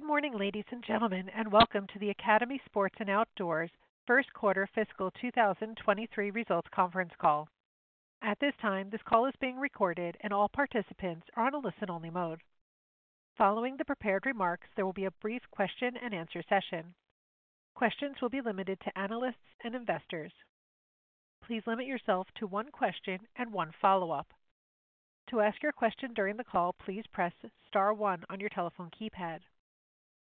Good morning, ladies and gentlemen, and welcome to the Academy Sports and Outdoors first quarter fiscal 2023 results conference call. At this time, this call is being recorded and all participants are on a listen-only mode. Following the prepared remarks, there will be a brief question-and-answer session. Questions will be limited to analysts and investors. Please limit yourself to one question and one follow-up. To ask your question during the call, please press Star one on your telephone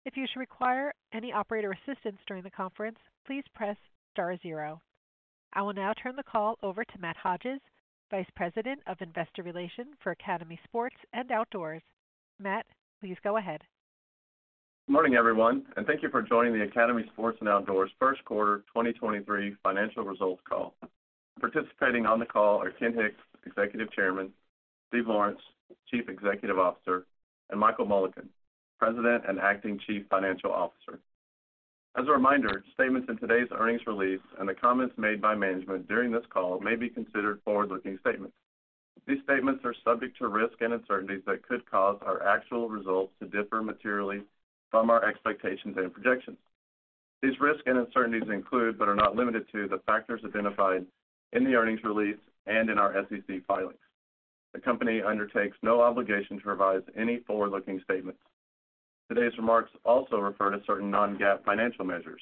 keypad. If you should require any operator assistance during the conference, please press Star zero. I will now turn the call over to Matt Hodges, Vice President of Investor Relations for Academy Sports and Outdoors. Matt, please go ahead. Good morning, everyone, thank you for joining the Academy Sports and Outdoors first quarter 2023 financial results call. Participating on the call are Ken Hicks, Executive Chairman, Steve Lawrence, Chief Executive Officer, and Michael Mullican, President and Acting Chief Financial Officer. As a reminder, statements in today's earnings release and the comments made by management during this call may be considered forward-looking statements. These statements are subject to risks and uncertainties that could cause our actual results to differ materially from our expectations and projections. These risks and uncertainties include, but are not limited to, the factors identified in the earnings release and in our SEC filings. The company undertakes no obligation to revise any forward-looking statements. Today's remarks also refer to certain non-GAAP financial measures.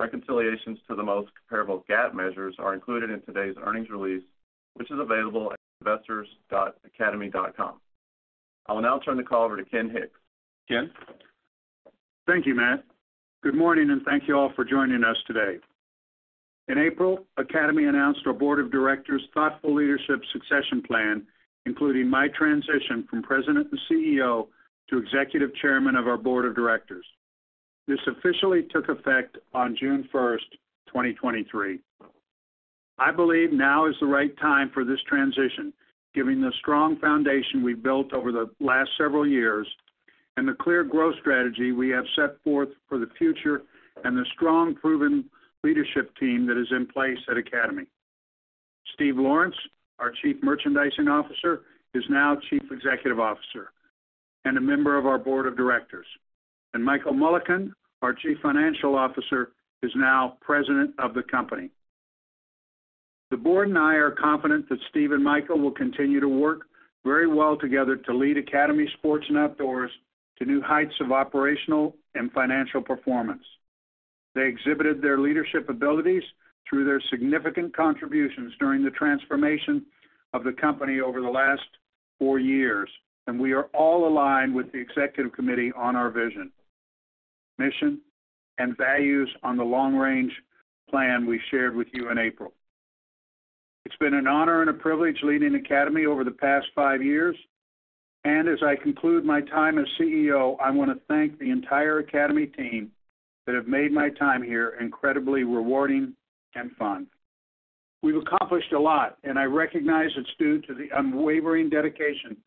Reconciliations to the most comparable GAAP measures are included in today's earnings release, which is available at investors.academy.com. I will now turn the call over to Ken Hicks. Ken? Thank you, Matt. Good morning, thank you all for joining us today. In April, Academy announced our board of directors' thoughtful leadership succession plan, including my transition from President and CEO to Executive Chairman of our board of directors. This officially took effect on June 1st, 2023. I believe now is the right time for this transition, giving the strong foundation we've built over the last several years and the clear growth strategy we have set forth for the future and the strong, proven leadership team that is in place at Academy. Steve Lawrence, our Chief Merchandising Officer, is now Chief Executive Officer and a member of our board of directors, and Michael Mullican, our Chief Financial Officer, is now President of the company. The board and I are confident that Steve and Michael will continue to work very well together to lead Academy Sports and Outdoors to new heights of operational and financial performance. They exhibited their leadership abilities through their significant contributions during the transformation of the company over the last 4 years, and we are all aligned with the executive committee on our vision, mission, and values on the long-range plan we shared with you in April. It's been an honor and a privilege leading Academy over the past 5 years, and as I conclude my time as CEO, I want to thank the entire Academy team that have made my time here incredibly rewarding and fun. We've accomplished a lot, and I recognize it's due to the unwavering dedication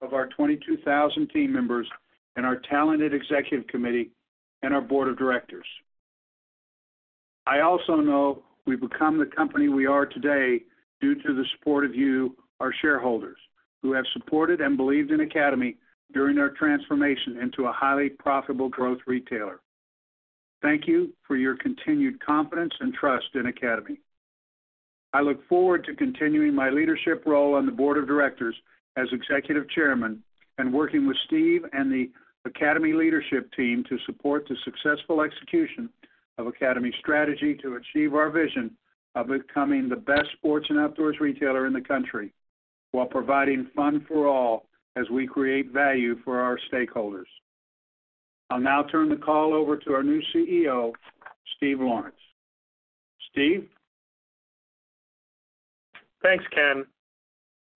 of our 22,000 team members and our talented executive committee and our board of directors. I also know we've become the company we are today due to the support of you, our shareholders, who have supported and believed in Academy during our transformation into a highly profitable growth retailer. Thank you for your continued confidence and trust in Academy. I look forward to continuing my leadership role on the board of directors as Executive Chairman and working with Steve and the Academy leadership team to support the successful execution of Academy's strategy to achieve our vision of becoming the best sports and outdoors retailer in the country while providing fun for all as we create value for our stakeholders. I'll now turn the call over to our new CEO, Steve Lawrence. Steve? Thanks, Ken.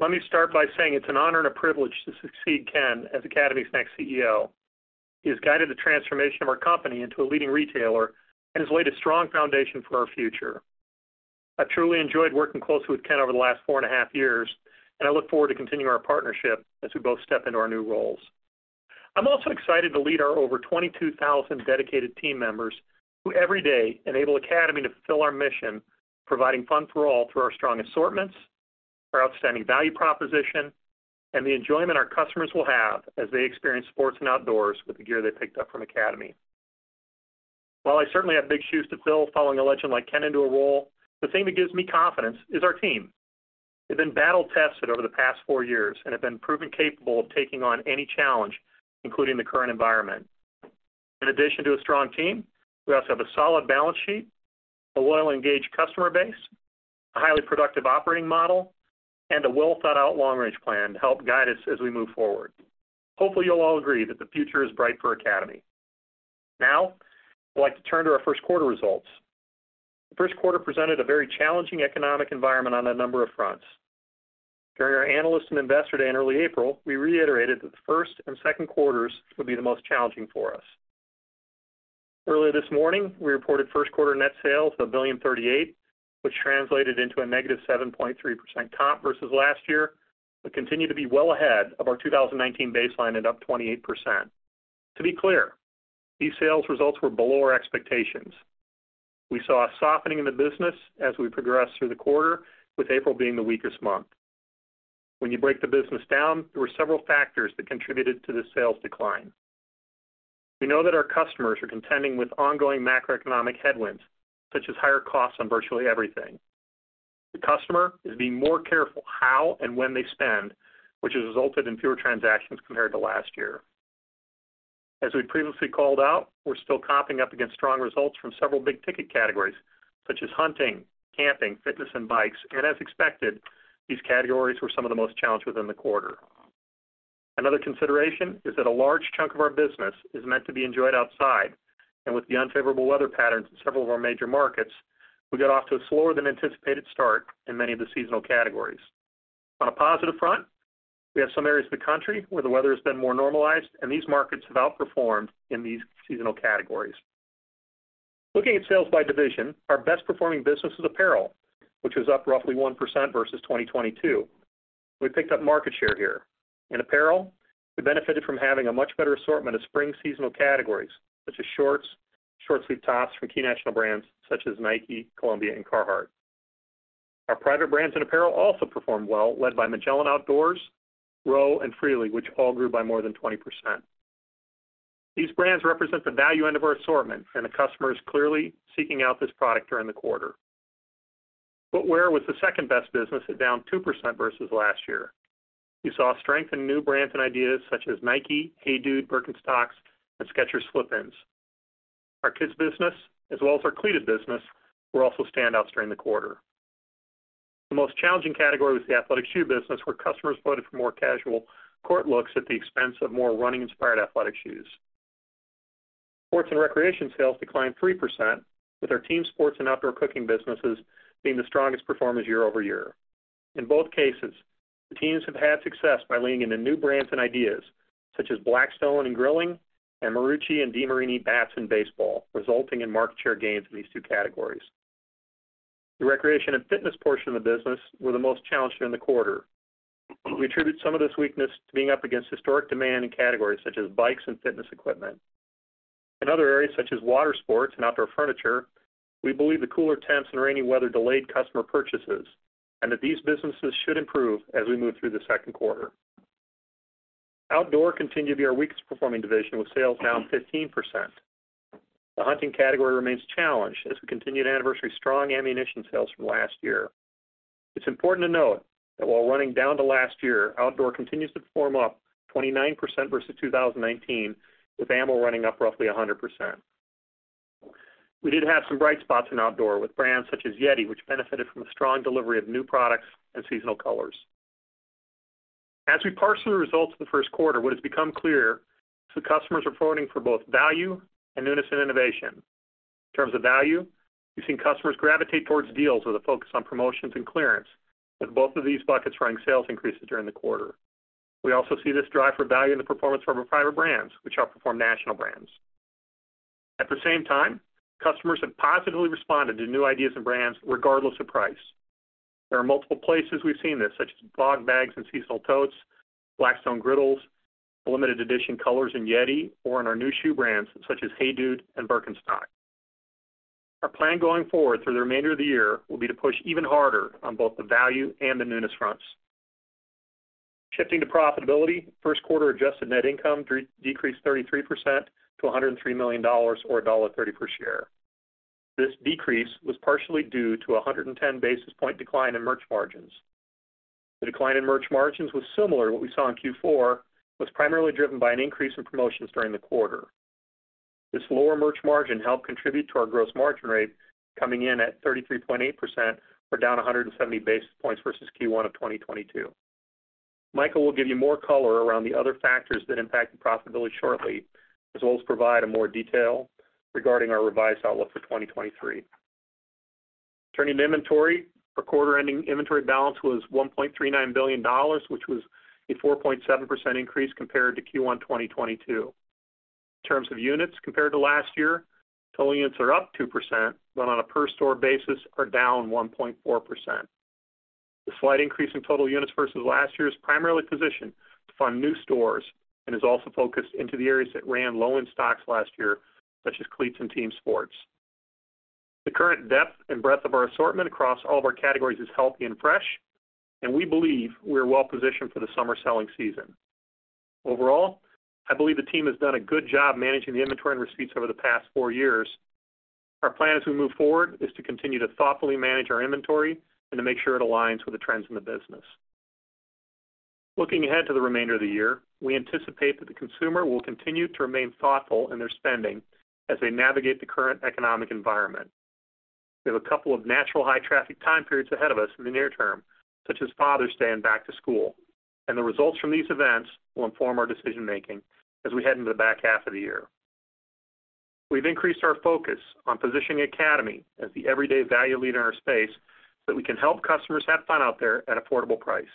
Let me start by saying it's an honor and a privilege to succeed Ken as Academy's next CEO. He has guided the transformation of our company into a leading retailer and has laid a strong foundation for our future. I've truly enjoyed working closely with Ken over the last four and a half years. I look forward to continuing our partnership as we both step into our new roles. I'm also excited to lead our over 22,000 dedicated team members, who every day enable Academy to fulfill our mission, providing fun for all through our strong assortments, our outstanding value proposition, and the enjoyment our customers will have as they experience sports and outdoors with the gear they picked up from Academy. While I certainly have big shoes to fill following a legend like Ken into a role, the thing that gives me confidence is our team. They've been battle-tested over the past four years and have been proven capable of taking on any challenge, including the current environment. In addition to a strong team, we also have a solid balance sheet, a well-engaged customer base, a highly productive operating model, and a well-thought-out long-range plan to help guide us as we move forward. Hopefully, you'll all agree that the future is bright for Academy. I'd like to turn to our first quarter results. The first quarter presented a very challenging economic environment on a number of fronts. During our analyst and investor day in early April, we reiterated that the first and second quarters would be the most challenging for us. Earlier this morning, we reported first quarter net sales of $1.038 billion, which translated into a -7.3% comp versus last year. Continue to be well ahead of our 2019 baseline and up 28%. To be clear, these sales results were below our expectations. We saw a softening in the business as we progressed through the quarter, with April being the weakest month. You break the business down, there were several factors that contributed to the sales decline. We know that our customers are contending with ongoing macroeconomic headwinds, such as higher costs on virtually everything. The customer is being more careful how and when they spend, which has resulted in fewer transactions compared to last year. As we previously called out, we're still comping up against strong results from several big-ticket categories, such as hunting, camping, fitness, and bikes, and as expected, these categories were some of the most challenged within the quarter. Another consideration is that a large chunk of our business is meant to be enjoyed outside, and with the unfavorable weather patterns in several of our major markets, we got off to a slower than anticipated start in many of the seasonal categories. On a positive front, we have some areas of the country where the weather has been more normalized, and these markets have outperformed in these seasonal categories. Looking at sales by division, our best performing business is apparel, which was up roughly 1% versus 2022. We picked up market share here. In apparel, we benefited from having a much better assortment of spring seasonal categories such as shorts, short-sleeved tops from key national brands such as Nike, Columbia, and Carhartt. Our private brands and apparel also performed well, led by Magellan Outdoors, R.O.W., and Freely, which all grew by more than 20%. These brands represent the value end of our assortment, and the customer is clearly seeking out this product during the quarter. Footwear was the second-best business at down 2% versus last year. We saw strength in new brands and ideas such as Nike, HEYDUDE, Birkenstock, and Skechers Slip-ins. Our kids business, as well as our cleated business, were also standouts during the quarter. The most challenging category was the athletic shoe business, where customers voted for more casual court looks at the expense of more running-inspired athletic shoes. Sports and recreation sales declined 3%, with our team sports and outdoor cooking businesses being the strongest performers year-over-year. In both cases, the teams have had success by leaning into new brands and ideas such as Blackstone and Grilling, and Marucci and DeMarini Bats and Baseball, resulting in market share gains in these two categories. The recreation and fitness portion of the business were the most challenged during the quarter. We attribute some of this weakness to being up against historic demand in categories such as bikes and fitness equipment. In other areas, such as water sports and outdoor furniture, we believe the cooler temps and rainy weather delayed customer purchases and that these businesses should improve as we move through the second quarter. Outdoor continued to be our weakest performing division, with sales down 15%. The hunting category remains challenged as we continue to anniversary strong ammunition sales from last year. It's important to note that while running down to last year, outdoor continues to perform up 29% versus 2019, with ammo running up roughly 100%. We did have some bright spots in outdoor with brands such as YETI, which benefited from a strong delivery of new products and seasonal colors. As we parse through the results of the first quarter, what has become clear is that customers are voting for both value and newness and innovation. In terms of value, we've seen customers gravitate towards deals with a focus on promotions and clearance, with both of these buckets driving sales increases during the quarter. We also see this drive for value in the performance from our private brands, which outperform national brands. At the same time, customers have positively responded to new ideas and brands, regardless of price. There are multiple places we've seen this, such as Bogg Bag and seasonal totes, Blackstone Griddles, limited edition colors in YETI, or in our new shoe brands such as HEYDUDE and Birkenstock. Our plan going forward through the remainder of the year will be to push even harder on both the value and the newness fronts. Shifting to profitability, first quarter adjusted net income decreased 33% to $103 million, or $1.30 per share. This decrease was partially due to a 110 basis point decline in merch margins. The decline in merch margins was similar to what we saw in Q4, was primarily driven by an increase in promotions during the quarter. This lower merch margin helped contribute to our gross margin rate coming in at 33.8%, or down 170 basis points versus Q1 2022. Michael will give you more color around the other factors that impact the profitability shortly, as well as provide a more detail regarding our revised outlook for 2023. Turning to inventory, our quarter-ending inventory balance was $1.39 billion, which was a 4.7% increase compared to Q1 2022. In terms of units compared to last year, total units are up 2%, but on a per store basis are down 1.4%. The slight increase in total units versus last year is primarily positioned to fund new stores and is also focused into the areas that ran low in stocks last year, such as cleats and team sports. The current depth and breadth of our assortment across all of our categories is healthy and fresh, and we believe we're well positioned for the summer selling season. Overall, I believe the team has done a good job managing the inventory and receipts over the past four years. Our plan as we move forward is to continue to thoughtfully manage our inventory and to make sure it aligns with the trends in the business. Looking ahead to the remainder of the year, we anticipate that the consumer will continue to remain thoughtful in their spending as they navigate the current economic environment. We have a couple of natural, high-traffic time periods ahead of us in the near-term, such as Father's Day and back to school, and the results from these events will inform our decision making as we head into the back half of the year. We've increased our focus on positioning Academy as the everyday value leader in our space so that we can help customers have fun out there at an affordable price.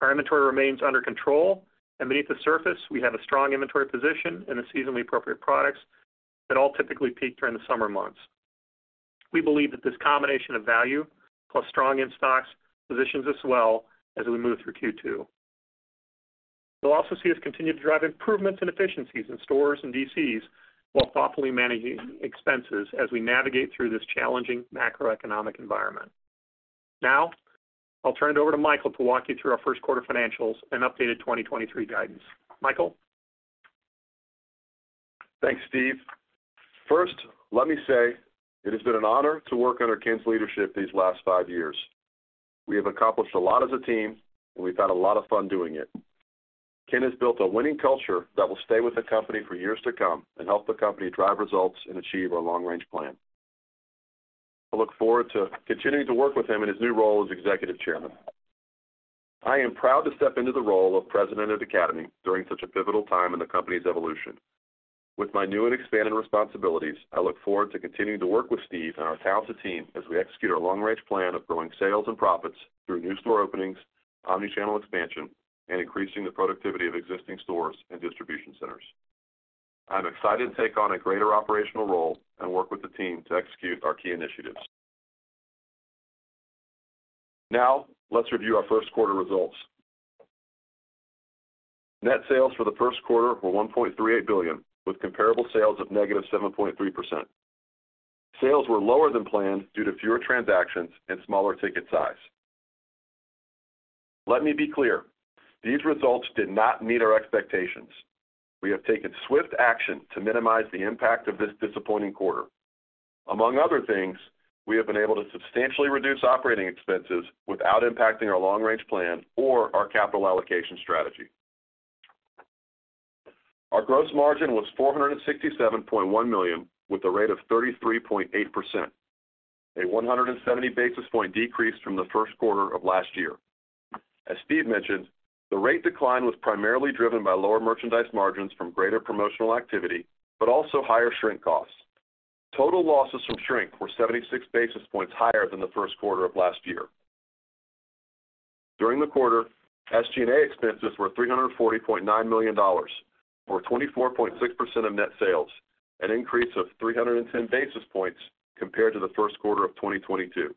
Our inventory remains under control and beneath the surface, we have a strong inventory position and the seasonally appropriate products that all typically peak during the summer months. We believe that this combination of value plus strong in-stocks positions us well as we move through Q2. You'll also see us continue to drive improvements and efficiencies in stores and DCs while thoughtfully managing expenses as we navigate through this challenging macroeconomic environment. I'll turn it over to Michael to walk you through our first quarter financials and updated 2023 guidance. Michael? Thanks, Steve. First, let me say it has been an honor to work under Ken's leadership these last five years. We have accomplished a lot as a team, and we've had a lot of fun doing it. Ken has built a winning culture that will stay with the company for years to come and help the company drive results and achieve our long-range plan. I look forward to continuing to work with him in his new role as Executive Chairman. I am proud to step into the role of President of Academy during such a pivotal time in the company's evolution. With my new and expanded responsibilities, I look forward to continuing to work with Steve and our talented team as we execute our long-range plan of growing sales and profits through new store openings, omni-channel expansion, and increasing the productivity of existing stores and distribution centers. Let's review our first quarter results. Net sales for the first quarter were $1.38 billion, with comparable sales of negative 7.3%. Sales were lower than planned due to fewer transactions and smaller ticket size. Let me be clear, these results did not meet our expectations. We have taken swift action to minimize the impact of this disappointing quarter. Among other things, we have been able to substantially reduce operating expenses without impacting our long-range plan or our capital allocation strategy. Our gross margin was $467.1 million, with a rate of 33.8%, a 170 basis point decrease from the first quarter of last year. As Steve mentioned, the rate decline was primarily driven by lower merchandise margins from greater promotional activity, but also higher shrink costs. Total losses from shrink were 76 basis points higher than the first quarter of last year. During the quarter, SG&A expenses were $340.9 million, or 24.6% of net sales, an increase of 310 basis points compared to the first quarter of 2022.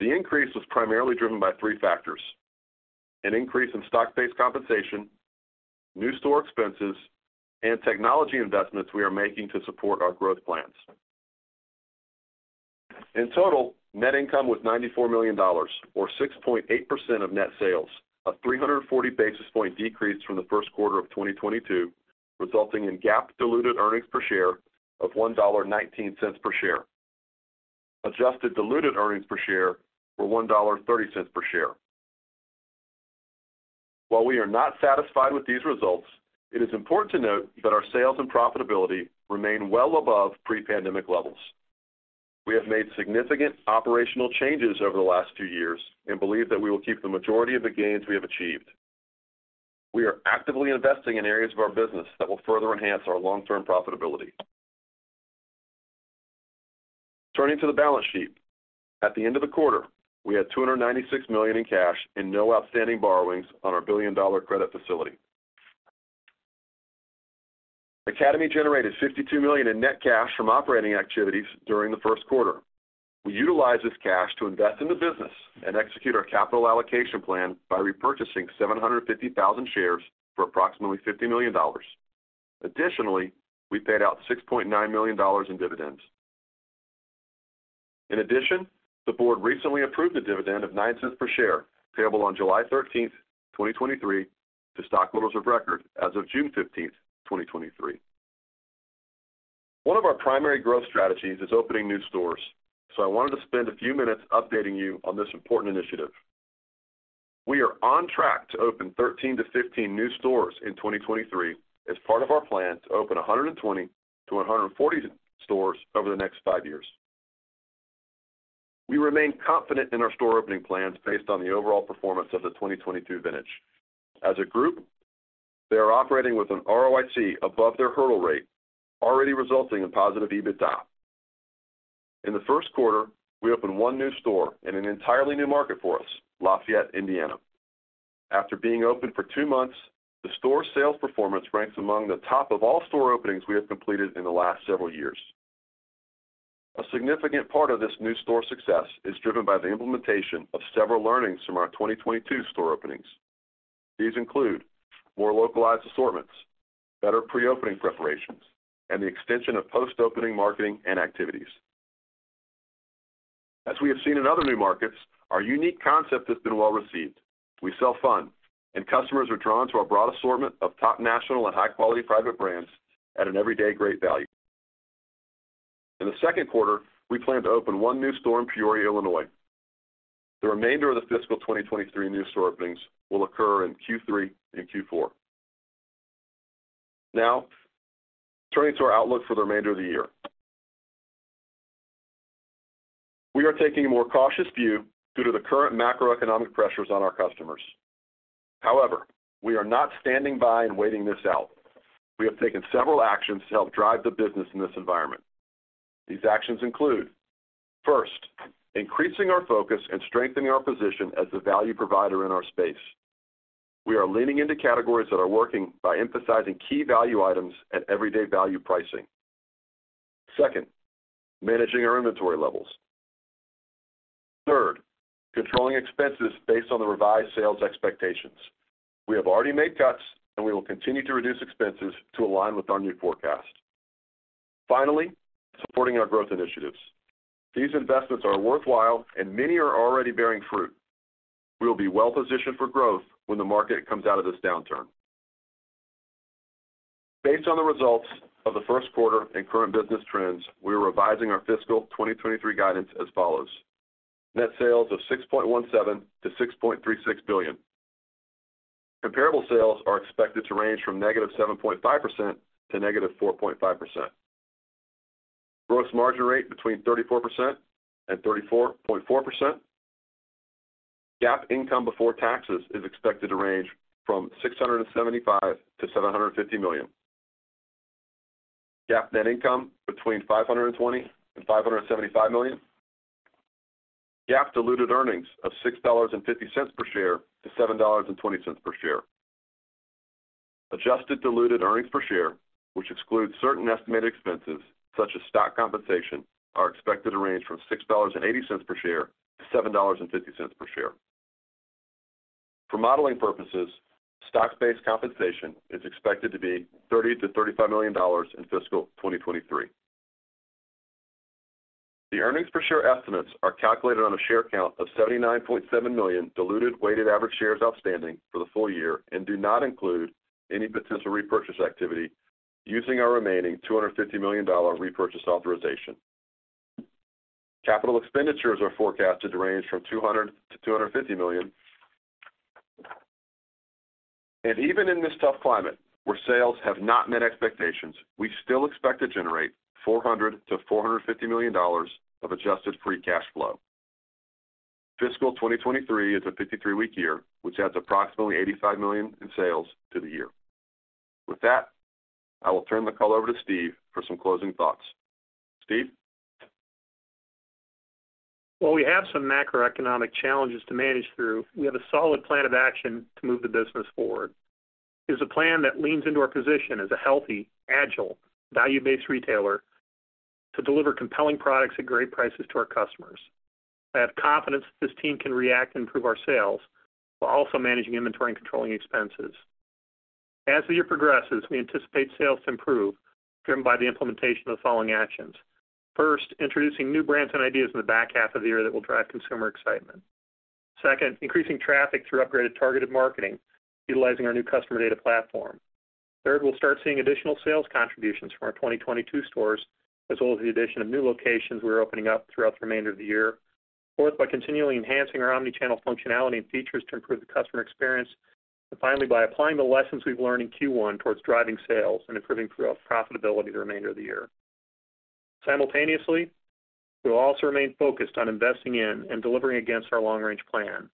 The increase was primarily driven by three factors: an increase in stock-based compensation, new store expenses, and technology investments we are making to support our growth plans. In total, net income was $94 million, or 6.8% of net sales, a 340 basis point decrease from the first quarter of 2022, resulting in GAAP diluted earnings per share of $1.19 per share. Adjusted diluted earnings per share were $1.30 per share. While we are not satisfied with these results, it is important to note that our sales and profitability remain well above pre-pandemic levels. We have made significant operational changes over the last two years and believe that we will keep the majority of the gains we have achieved. We are actively investing in areas of our business that will further enhance our long-term profitability. Turning to the balance sheet. At the end of the quarter, we had $296 million in cash and no outstanding borrowings on our billion-dollar credit facility. Academy generated $52 million in net cash from operating activities during the first quarter. We utilized this cash to invest in the business and execute our capital allocation plan by repurchasing 750,000 shares for approximately $50 million. Additionally, we paid out $6.9 million in dividends. In addition, the board recently approved a dividend of $0.09 per share, payable on July 13th, 2023, to stockholders of record as of June 15th, 2023. One of our primary growth strategies is opening new stores, so I wanted to spend a few minutes updating you on this important initiative. We are on track to open 13-15 new stores in 2023 as part of our plan to open 120-140 stores over the next 5 years. We remain confident in our store opening plans based on the overall performance of the 2022 vintage. As a group, they are operating with an ROIC above their hurdle rate, already resulting in positive EBITDA. In the first quarter, we opened one new store in an entirely new market for us, Lafayette, Indiana. After being open for two months, the store's sales performance ranks among the top of all store openings we have completed in the last several years. A significant part of this new store success is driven by the implementation of several learnings from our 2022 store openings. These include more localized assortments, better pre-opening preparations, and the extension of post-opening marketing and activities. As we have seen in other new markets, our unique concept has been well-received. We sell fun, and customers are drawn to our broad assortment of top national and high-quality private brands at an everyday great value. In the second quarter, we plan to open one new store in Peoria, Illinois. The remainder of the fiscal 2023 new store openings will occur in Q3 and Q4. Now, turning to our outlook for the remainder of the year. We are taking a more cautious view due to the current macroeconomic pressures on our customers. However, we are not standing by and waiting this out. We have taken several actions to help drive the business in this environment. These actions include, first, increasing our focus and strengthening our position as the value provider in our space. We are leaning into categories that are working by emphasizing key value items at everyday value pricing. Second, managing our inventory levels. Third, controlling expenses based on the revised sales expectations. We have already made cuts, and we will continue to reduce expenses to align with our new forecast. Finally, supporting our growth initiatives. These investments are worthwhile and many are already bearing fruit. We will be well-positioned for growth when the market comes out of this downturn. Based on the results of the first quarter and current business trends, we are revising our fiscal 2023 guidance as follows: Net sales of $6.17 billion-$6.36 billion. Comparable sales are expected to range from -7.5% to -4.5%. Gross margin rate between 34% and 34.4%. GAAP income before taxes is expected to range from $675 million-$750 million. GAAP net income between $520 million and $575 million. GAAP diluted earnings of $6.50 per share to $7.20 per share. Adjusted diluted earnings per share, which excludes certain estimated expenses such as stock compensation, are expected to range from $6.80 per share to $7.50 per share. For modeling purposes, stock-based compensation is expected to be $30 million-$35 million in fiscal 2023. The earnings per share estimates are calculated on a share count of 79.7 million diluted weighted average shares outstanding for the full year and do not include any potential repurchase activity using our remaining $250 million repurchase authorization. Capital expenditures are forecasted to range from $200 million-$250 million. Even in this tough climate, where sales have not met expectations, we still expect to generate $400 million-$450 million of adjusted free cash flow. Fiscal 2023 is a 53-week year, which adds approximately $85 million in sales to the year. With that, I will turn the call over to Steve for some closing thoughts. Steve? While we have some macroeconomic challenges to manage through, we have a solid plan of action to move the business forward. It's a plan that leans into our position as a healthy, agile, value-based retailer to deliver compelling products at great prices to our customers. I have confidence that this team can react and improve our sales while also managing inventory and controlling expenses. As the year progresses, we anticipate sales to improve, driven by the implementation of the following actions. First, introducing new brands and ideas in the back half of the year that will drive consumer excitement. Second, increasing traffic through upgraded, targeted marketing, utilizing our new customer data platform. Third, we'll start seeing additional sales contributions from our 2022 stores, as well as the addition of new locations we're opening up throughout the remainder of the year. Fourth, by continually enhancing our omni-channel functionality and features to improve the customer experience. Finally, by applying the lessons we've learned in Q1 towards driving sales and improving profitability the remainder of the year. Simultaneously, we will also remain focused on investing in and delivering against our long-range plan.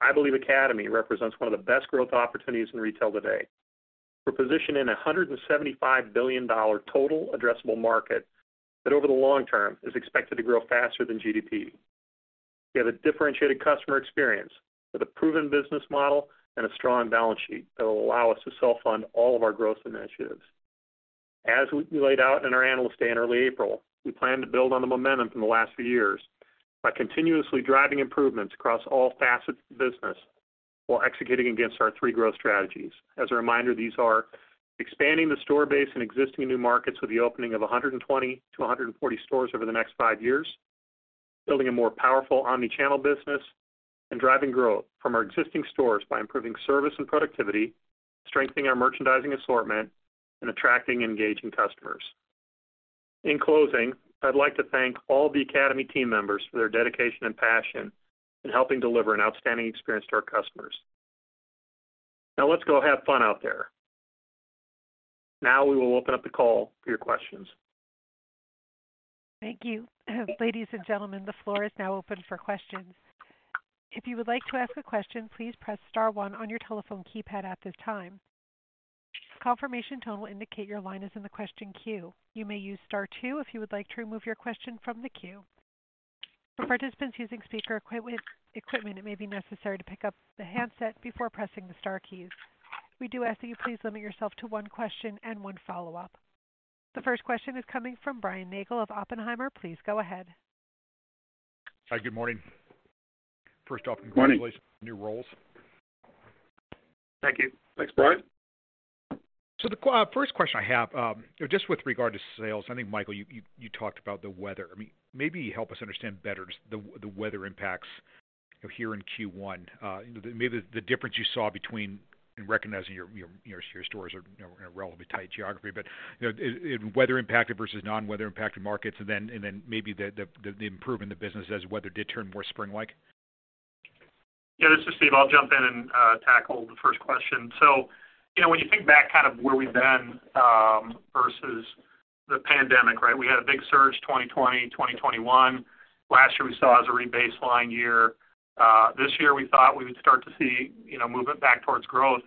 I believe Academy represents one of the best growth opportunities in retail today. We're positioned in a $175 billion total addressable market that over the long-term is expected to grow faster than GDP. We have a differentiated customer experience with a proven business model and a strong balance sheet that will allow us to self-fund all of our growth initiatives. As we laid out in our Analyst Day in early April, we plan to build on the momentum from the last few years by continuously driving improvements across all facets of the business while executing against our three growth strategies. As a reminder, these are expanding the store base in existing new markets with the opening of 120-140 stores over the next five years, building a more powerful omni-channel business, and driving growth from our existing stores by improving service and productivity, strengthening our merchandising assortment, and attracting and engaging customers. In closing, I'd like to thank all the Academy team members for their dedication and passion in helping deliver an outstanding experience to our customers. Let's go have fun out there. We will open up the call for your questions. Thank you. Ladies and gentlemen, the floor is now open for questions. If you would like to ask a question, please press Star one on your telephone keypad at this time. Confirmation tone will indicate your line is in the question queue. You may use Star two if you would like to remove your question from the queue. For participants using speaker equipment, it may be necessary to pick up the handset before pressing the star keys. We do ask that you please limit yourself to one question and one follow-up. The first question is coming from Brian Nagel of Oppenheimer. Please go ahead. Hi, good morning. First off. Good morning. Congratulations on your new roles. Thank you. Thanks, Brian. The first question I have, just with regard to sales, I think, Michael, you talked about the weather. I mean, maybe help us understand better the weather impacts here in Q1. Maybe the difference you saw between and recognizing your stores are in a relatively tight geography, but, you know, in weather-impacted versus non-weather impacted markets, and then maybe the improvement in the business as weather did turn more spring-like. Yeah, this is Steve. I'll jump in and tackle the first question. You know, when you think back kind of where we've been versus the pandemic, right? We had a big surge, 2020, 2021. Last year, we saw as a re-baseline year. This year, we thought we would start to see, you know, movement back towards growth.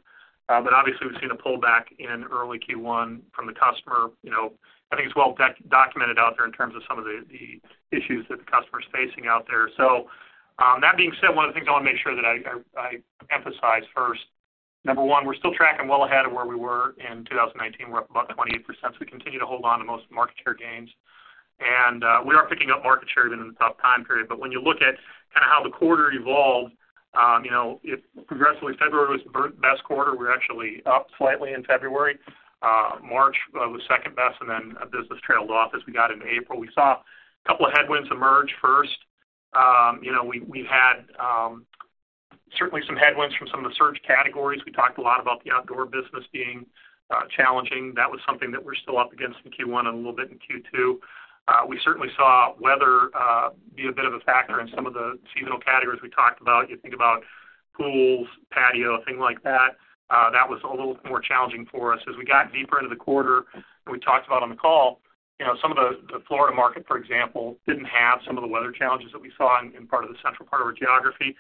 Obviously, we've seen a pullback in early Q1 from the customer. You know, I think it's well documented out there in terms of some of the issues that the customer is facing out there. That being said, one of the things I want to make sure that I emphasize first. Number one, we're still tracking well ahead of where we were in 2019. We're up about 28%, we continue to hold on to most market share gains, and we are picking up market share even in the tough time period. When you look at kind of how the quarter evolved, you know, it progressively, February was the best quarter. We're actually up slightly in February. March was second best, business trailed off as we got into April. We saw a couple of headwinds emerge first. You know, we had certainly some headwinds from some of the surge categories. We talked a lot about the outdoor business being challenging. That was something that we're still up against in Q1 and a little bit in Q2. We certainly saw weather be a bit of a factor in some of the seasonal categories we talked about. You think about pools, patio, things like that was a little more challenging for us. As we got deeper into the quarter, and we talked about on the call, you know, some of the Florida market, for example, didn't have some of the weather challenges that we saw in part of the central part of our geography.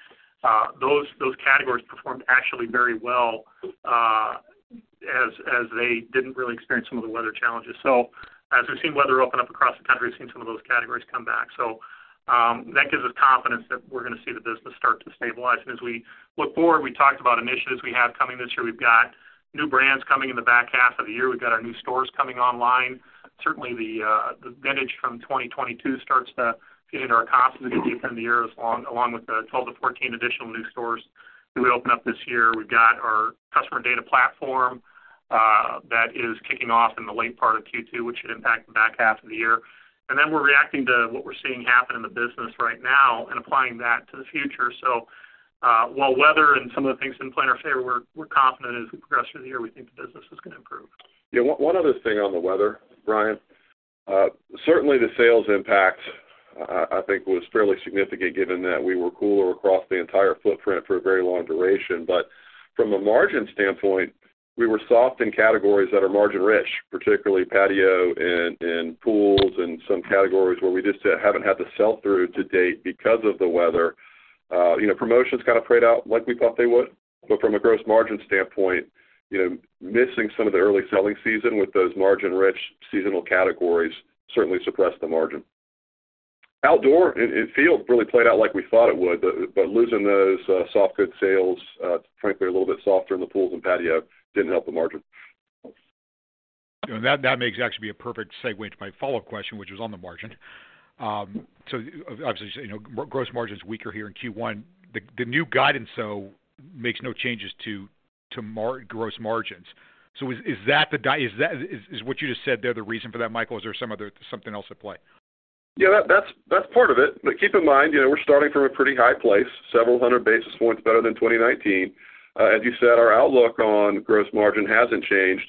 Those categories performed actually very well, as they didn't really experience some of the weather challenges. As we've seen weather open up across the country, we've seen some of those categories come back. That gives us confidence that we're gonna see the business start to stabilize. As we look forward, we talked about initiatives we have coming this year. We've got new brands coming in the back half of the year. We've got our new stores coming online. Certainly, the vintage from 2022 starts to feed into our comps as we get deeper in the year, along with the 12-14 additional new stores that we open up this year. We've got our customer data platform that is kicking off in the late part of Q2, which should impact the back half of the year. Then we're reacting to what we're seeing happen in the business right now and applying that to the future. While weather and some of the things didn't play in our favor, we're confident as we progress through the year, we think the business is gonna improve. Yeah, one other thing on the weather, Brian. Certainly the sales impact, I think, was fairly significant given that we were cooler across the entire footprint for a very long duration. From a margin standpoint, we were soft in categories that are margin-rich, particularly patio and pools, and some categories where we just haven't had the sell-through to date because of the weather. You know, promotions kind of played out like we thought they would, but from a gross margin standpoint, you know, missing some of the early selling season with those margin-rich seasonal categories certainly suppressed the margin. Outdoor, it feels really played out like we thought it would, but losing those soft goods sales, frankly, a little bit softer in the pools and patio didn't help the margin. You know, that makes actually a perfect segue into my follow-up question, which is on the margin. Obviously, you know, gross margin is weaker here in Q1. The new guidance makes no changes to gross margins. Is that the reason for that, Michael, or is there something else at play? Yeah, that's part of it. Keep in mind, you know, we're starting from a pretty high place, several hundred basis points better than 2019. As you said, our outlook on gross margin hasn't changed.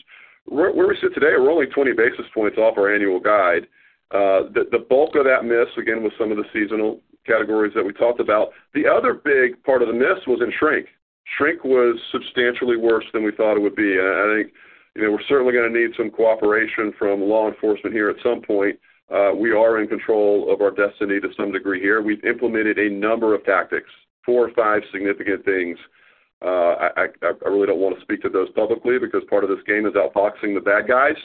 Where we sit today, we're only 20 basis points off our annual guide. The bulk of that miss, again, was some of the seasonal categories that we talked about. The other big part of the miss was in shrink. Shrink was substantially worse than we thought it would be. I think, you know, we're certainly gonna need some cooperation from law enforcement here at some point. We are in control of our destiny to some degree here. We've implemented a number of tactics, four or five significant things. I really don't want to speak to those publicly because part of this game is outboxing the bad guys.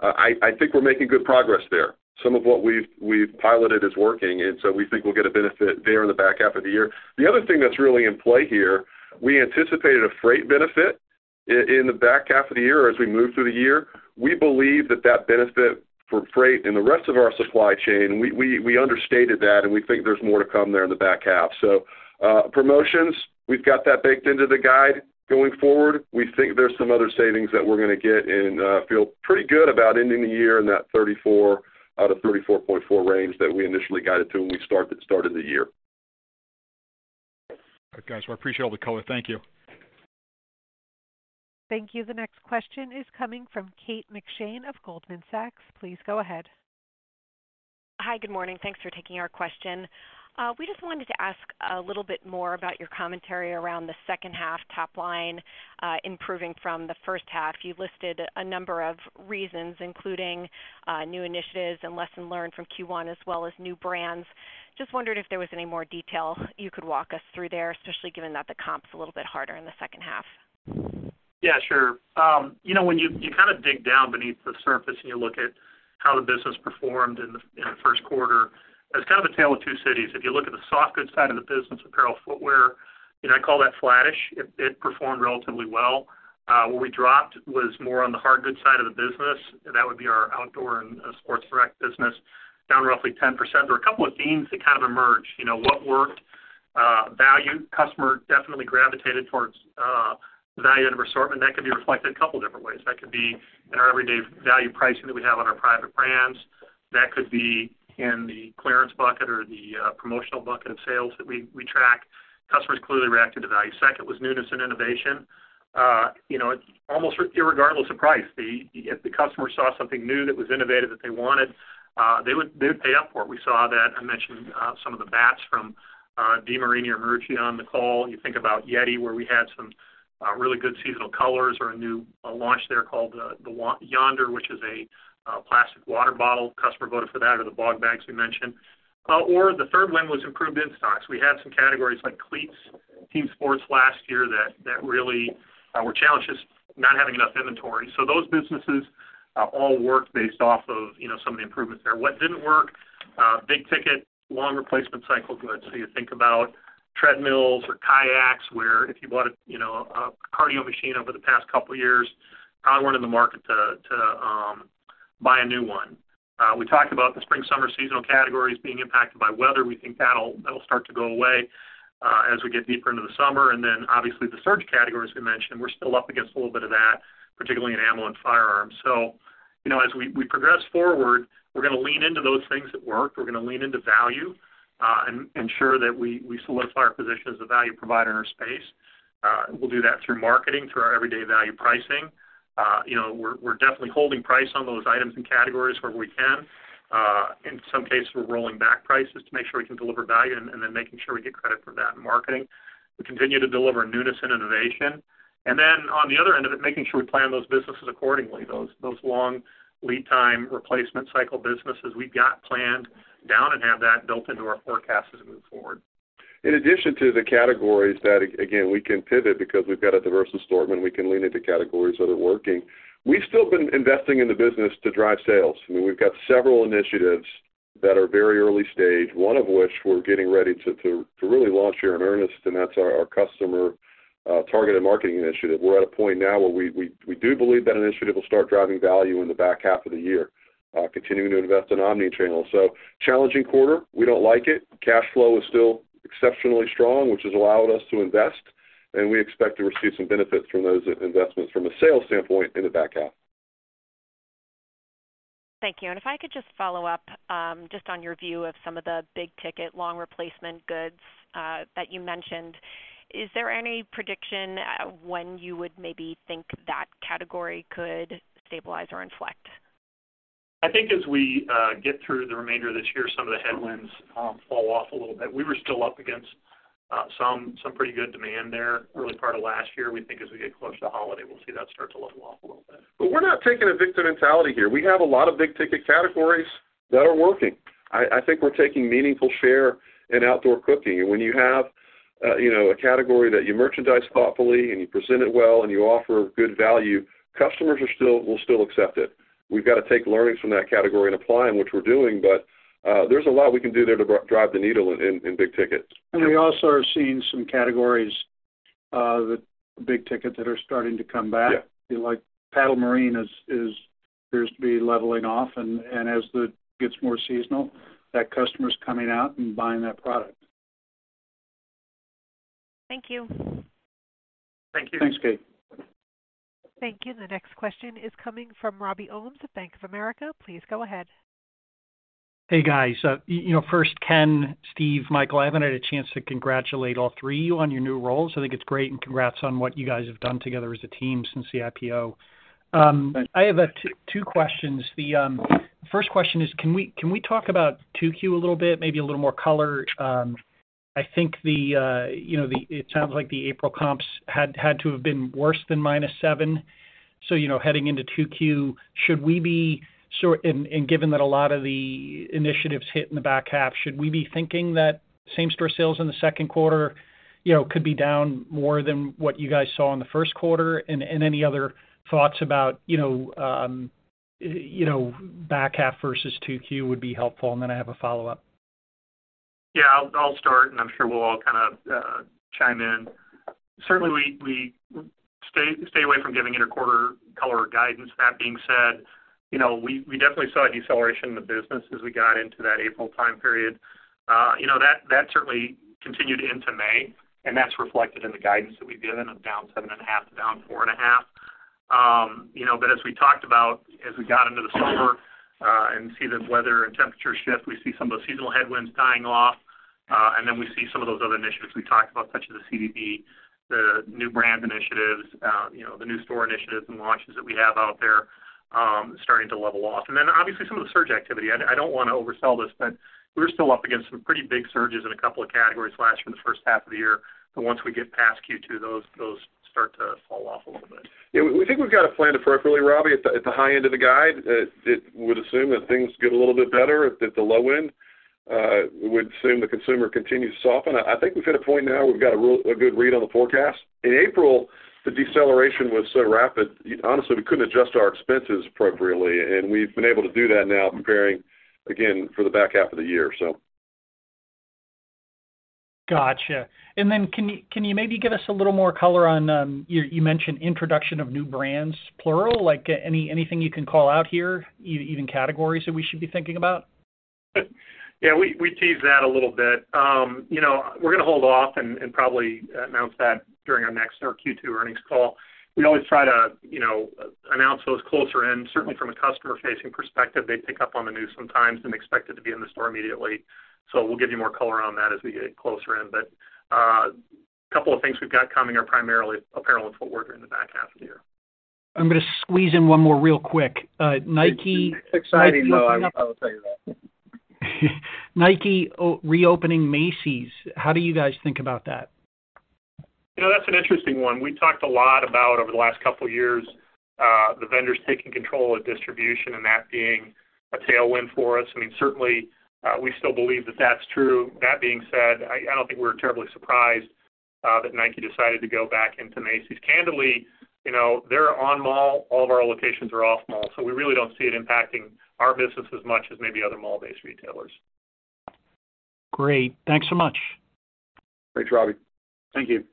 I think we're making good progress there. Some of what we've piloted is working, and so we think we'll get a benefit there in the back half of the year. The other thing that's really in play here, we anticipated a freight benefit in the back half of the year as we move through the year. We believe that that benefit for freight and the rest of our supply chain, we understated that, and we think there's more to come there in the back half. Promotions, we've got that baked into the guide. Going forward, we think there's some other savings that we're gonna get and feel pretty good about ending the year in that 34 out of 34.4 range that we initially guided to when we started the year. All right, guys. I appreciate all the color. Thank you. Thank you. The next question is coming from Kate McShane of Goldman Sachs. Please go ahead. Hi, good morning. Thanks for taking our question. We just wanted to ask a little bit more about your commentary around the second half top line improving from the first half. You listed a number of reasons, including new initiatives and lesson learned from Q1, as well as new brands. Just wondered if there was any more detail you could walk us through there, especially given that the comp's a little bit harder in the second half. Yeah, sure. You know, when you kind of dig down beneath the surface and you look at how the business performed in the first quarter, it's kind of a tale of two cities. If you look at the soft goods side of the business, apparel, footwear, you know, I call that flattish. It performed relatively well. Where we dropped was more on the hard goods side of the business, and that would be our outdoor and sports rec business, down roughly 10%. There are a couple of themes that kind of emerged. You know, what worked? Value. Customer definitely gravitated towards the value of assortment. That could be reflected a couple different ways. That could be in our everyday value pricing that we have on our private brands. That could be in the clearance bucket or the promotional bucket of sales that we track. Customers clearly reacted to value. Second, was newness and innovation. You know, almost irregardless of price, if the customer saw something new that was innovative, that they wanted, they would pay up for it. We saw that I mentioned some of the bats from DeMarini or Marucci on the call. You think about YETI, where we had some really good seasonal colors or a new launch there called the Yonder, which is a plastic water bottle. Customer voted for that or the Bogg Bags we mentioned. The third one was improved in-stocks. We had some categories like cleats, team sports last year, that really were challenged, just not having enough inventory. Those businesses all worked based off of, you know, some of the improvements there. What didn't work? Big ticket, long replacement cycle goods. You think about treadmills or kayaks, where if you bought a, you know, a cardio machine over the past couple of years, probably weren't in the market to buy a new one. We talked about the spring-summer seasonal categories being impacted by weather. We think that'll start to go away as we get deeper into the summer. Then obviously, the surge categories we mentioned, we're still up against a little bit of that, particularly in ammo and firearms. You know, as we progress forward, we're gonna lean into those things that worked. We're gonna lean into value and ensure that we solidify our position as a value provider in our space. We'll do that through marketing, through our everyday value pricing. You know, we're definitely holding price on those items and categories where we can. In some cases, we're rolling back prices to make sure we can deliver value and then making sure we get credit for that in marketing. We continue to deliver newness and innovation. Then on the other end of it, making sure we plan those businesses accordingly, those long lead time replacement cycle businesses, we've got planned down and have that built into our forecast as we move forward. In addition to the categories that, again, we can pivot because we've got a diverse assortment, we can lean into categories that are working. We've still been investing in the business to drive sales. I mean, we've got several initiatives that are very early stage, one of which we're getting ready to really launch here in earnest, and that's our customer targeted marketing initiative. We're at a point now where we do believe that initiative will start driving value in the back half of the year, continuing to invest in omni-channel. Challenging quarter, we don't like it. Cash flow is still exceptionally strong, which has allowed us to invest, and we expect to receive some benefits from those investments from a sales standpoint in the back half. Thank you. If I could just follow-up, just on your view of some of the big ticket, long replacement goods, that you mentioned. Is there any prediction, when you would maybe think that category could stabilize or inflect? I think as we get through the remainder of this year, some of the headwinds fall off a little bit. We were still up against some pretty good demand there early part of last year. We think as we get close to holiday, we'll see that start to level off a little bit. We're not taking a victim mentality here. We have a lot of big-ticket categories that are working. I think we're taking meaningful share in outdoor cooking. When you have, you know, a category that you merchandise thoughtfully and you present it well and you offer good value, customers will still accept it. We've got to take learnings from that category and apply them, which we're doing, but there's a lot we can do there to drive the needle in big tickets. We also are seeing some categories, the big ticket, that are starting to come back. Yeah. Like, paddle marine is appears to be leveling off, and as it gets more seasonal, that customer is coming out and buying that product. Thank you. Thank you. Thanks, Kate. Thank you. The next question is coming from Robby Ohmes of Bank of America. Please go ahead. Hey, guys. You know, first, Ken, Steve, Michael, I haven't had a chance to congratulate all three of you on your new roles. I think it's great and congrats on what you guys have done together as a team since the IPO. I have two questions. The first question is, can we talk about 2Q a little bit, maybe a little more color? I think, you know, it sounds like the April comps had to have been worse than -7%. You know, heading into 2Q, given that a lot of the initiatives hit in the back half, should we be thinking that same store sales in the second quarter, you know, could be down more than what you guys saw in the first quarter? Any other thoughts about, you know, you know, back half versus 2Q would be helpful, and then I have a follow-up. I'll start, I'm sure we'll all kind of, chime in. Certainly, we stay away from giving inter-quarter color or guidance. That being said, you know, we definitely saw a deceleration in the business as we got into that April time period. You know, that certainly continued into May, and that's reflected in the guidance that we've given of down seven and a half to down four and a half. You know, as we talked about, as we got into the summer, and see the weather and temperature shift, we see some of those seasonal headwinds dying off, and then we see some of those other initiatives we talked about, such as the CDP, the new brand initiatives, you know, the new store initiatives and launches that we have out there, starting to level off. Obviously, some of the surge activity. I don't want to oversell this, but we're still up against some pretty big surges in a couple of categories last from the first half of the year. Once we get past Q2, those start to fall off a little bit. Yeah, we think we've got it planned appropriately, Robbie. At the high end of the guide, it would assume that things get a little bit better. At the low end, we would assume the consumer continues to soften. I think we've hit a point now where we've got a good read on the forecast. In April, the deceleration was so rapid, honestly, we couldn't adjust our expenses appropriately. We've been able to do that now, preparing, again, for the back half of the year. Gotcha. Then can you maybe give us a little more color on, you mentioned introduction of new brands, plural? Like, anything you can call out here, even categories that we should be thinking about? We teased that a little bit. You know, we're going to hold off and probably announce that during our next, our Q2 earnings call. We always try to, you know, announce those closer in. Certainly from a customer-facing perspective, they pick up on the news sometimes and expect it to be in the store immediately. We'll give you more color on that as we get closer in. A couple of things we've got coming are primarily apparel and footwear in the back half of the year. I'm going to squeeze in one more real quick. Nike. Exciting, though, I will tell you that. Nike reopening Macy's, how do you guys think about that? You know, that's an interesting one. We talked a lot about over the last couple of years, the vendors taking control of distribution and that being a tailwind for us. I mean, certainly, we still believe that that's true. That being said, I don't think we're terribly surprised that Nike decided to go back into Macy's. Candidly, you know, they're on mall, all of our locations are off mall, so we really don't see it impacting our business as much as maybe other mall-based retailers. Great. Thanks so much. Great, Robby. Thank you.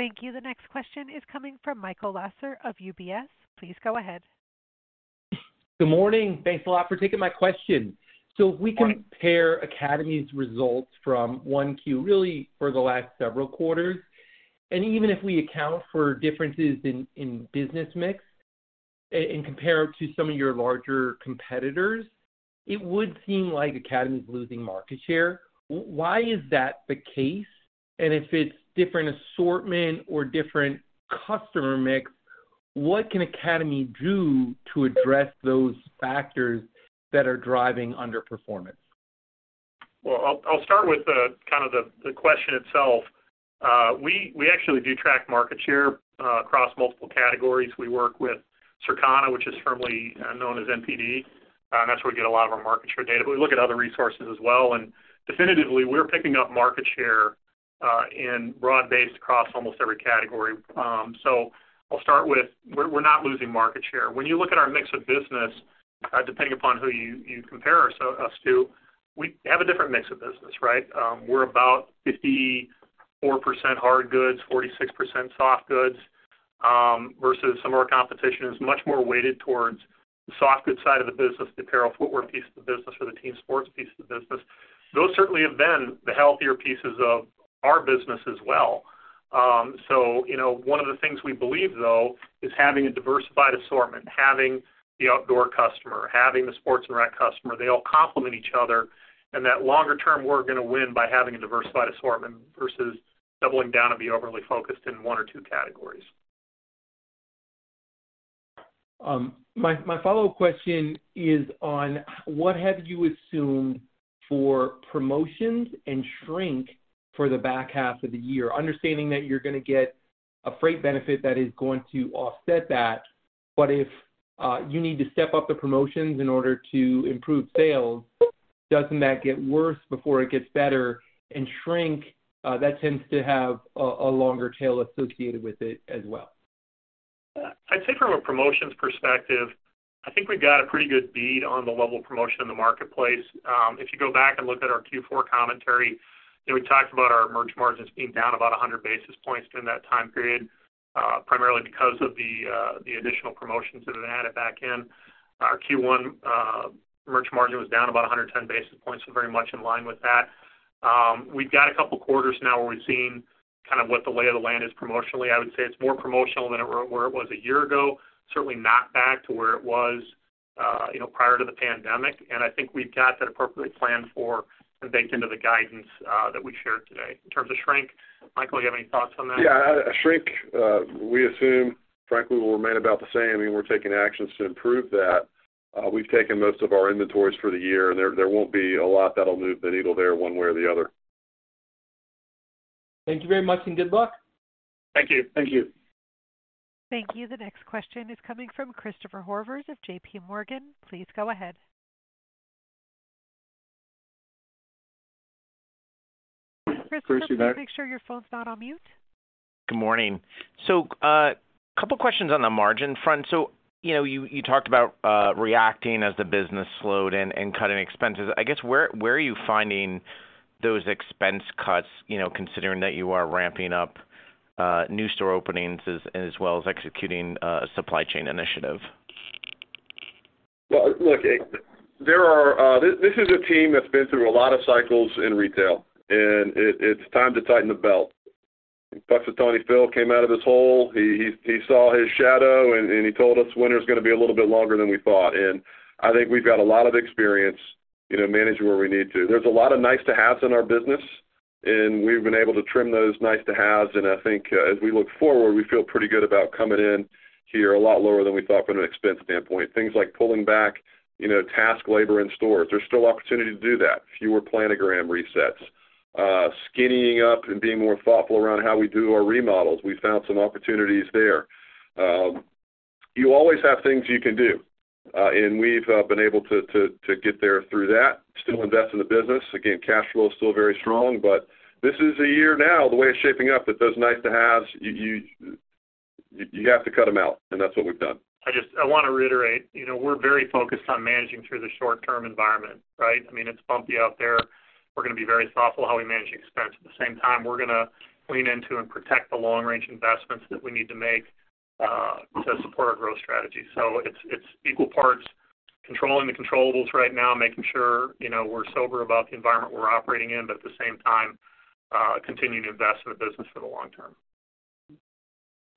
Thank you. The next question is coming from Michael Lasser of UBS. Please go ahead. Good morning. Thanks a lot for taking my question. Morning. If we compare Academy's results from one Q, really for the last several quarters, and even if we account for differences in business mix and compare it to some of your larger competitors, it would seem like Academy is losing market share. Why is that the case? If it's different assortment or different customer mix, what can Academy do to address those factors that are driving underperformance? Well, I'll start with the kind of the question itself. We actually do track market share across multiple categories. We work with Circana, which is firmly known as NPD, and that's where we get a lot of our market share data, but we look at other resources as well, and definitively, we're picking up market share in broad-based across almost every category. I'll start with, we're not losing market share. When you look at our mix of business, depending upon who you compare us to, we have a different mix of business, right? We're about 54% hard goods, 46% soft goods, versus some of our competition is much more weighted towards the soft goods side of the business, the apparel, footwear piece of the business or the team sports piece of the business. Those certainly have been the healthier pieces of our business as well. You know, one of the things we believe, though, is having a diversified assortment, having the outdoor customer, having the sports and rec customer, they all complement each other, and that longer term, we're gonna win by having a diversified assortment versus doubling down and be overly focused in one or two categories. My follow-up question is on what have you assumed for promotions and shrink for the back half of the year, understanding that you're gonna get a freight benefit that is going to offset that. If you need to step up the promotions in order to improve sales, doesn't that get worse before it gets better? Shrink, that tends to have a longer tail associated with it as well. I'd say from a promotions perspective, I think we've got a pretty good bead on the level of promotion in the marketplace. If you go back and look at our Q4 commentary, we talked about our merch margins being down about 100 basis points during that time period, primarily because of the additional promotions that we added back in. Our Q1 merch margin was down about 110 basis points, so very much in line with that. We've got a couple quarters now where we've seen kind of what the lay of the land is promotionally. I would say it's more promotional than it where it was a year ago, certainly not back to where it was, you know, prior to the pandemic. I think we've got that appropriately planned for and baked into the guidance, that we shared today. In terms of shrink, Michael, you have any thoughts on that? Yeah. Shrink, we assume, frankly, will remain about the same, and we're taking actions to improve that. We've taken most of our inventories for the year, and there won't be a lot that'll move the needle there one way or the other. Thank you very much. Good luck. Thank you. Thank you. Thank you. The next question is coming from Christopher Horvers of JPMorgan. Please go ahead. Christopher, make sure your phone's not on mute. Good morning. Couple questions on the margin front. You know, you talked about reacting as the business slowed and cutting expenses. I guess, where are you finding those expense cuts, you know, considering that you are ramping up new store openings as well as executing a supply chain initiative? Well, look, there are, this is a team that's been through a lot of cycles in retail, it's time to tighten the belt. Punxsutawney Phil came out of his hole. He saw his shadow, and he told us winter's gonna be a little bit longer than we thought. I think we've got a lot of experience, you know, managing where we need to. There's a lot of nice to haves in our business, we've been able to trim those nice to haves, I think as we look forward, we feel pretty good about coming in here a lot lower than we thought from an expense standpoint. Things like pulling back, you know, task labor in stores. There's still opportunity to do that. Fewer planogram resets, skinnying up and being more thoughtful around how we do our remodels. We found some opportunities there. You always have things you can do, we've been able to get there through that. Still invest in the business. Again, cash flow is still very strong, but this is a year now, the way it's shaping up, that those nice to haves, you have to cut them out, and that's what we've done. I want to reiterate, you know, we're very focused on managing through the short-term environment, right? I mean, it's bumpy out there. We're gonna be very thoughtful how we manage expense. At the same time, we're gonna lean into and protect the long-range investments that we need to make to support our growth strategy. It's equal parts controlling the controllables right now, making sure, you know, we're sober about the environment we're operating in, but at the same time, continuing to invest in the business for the long-term.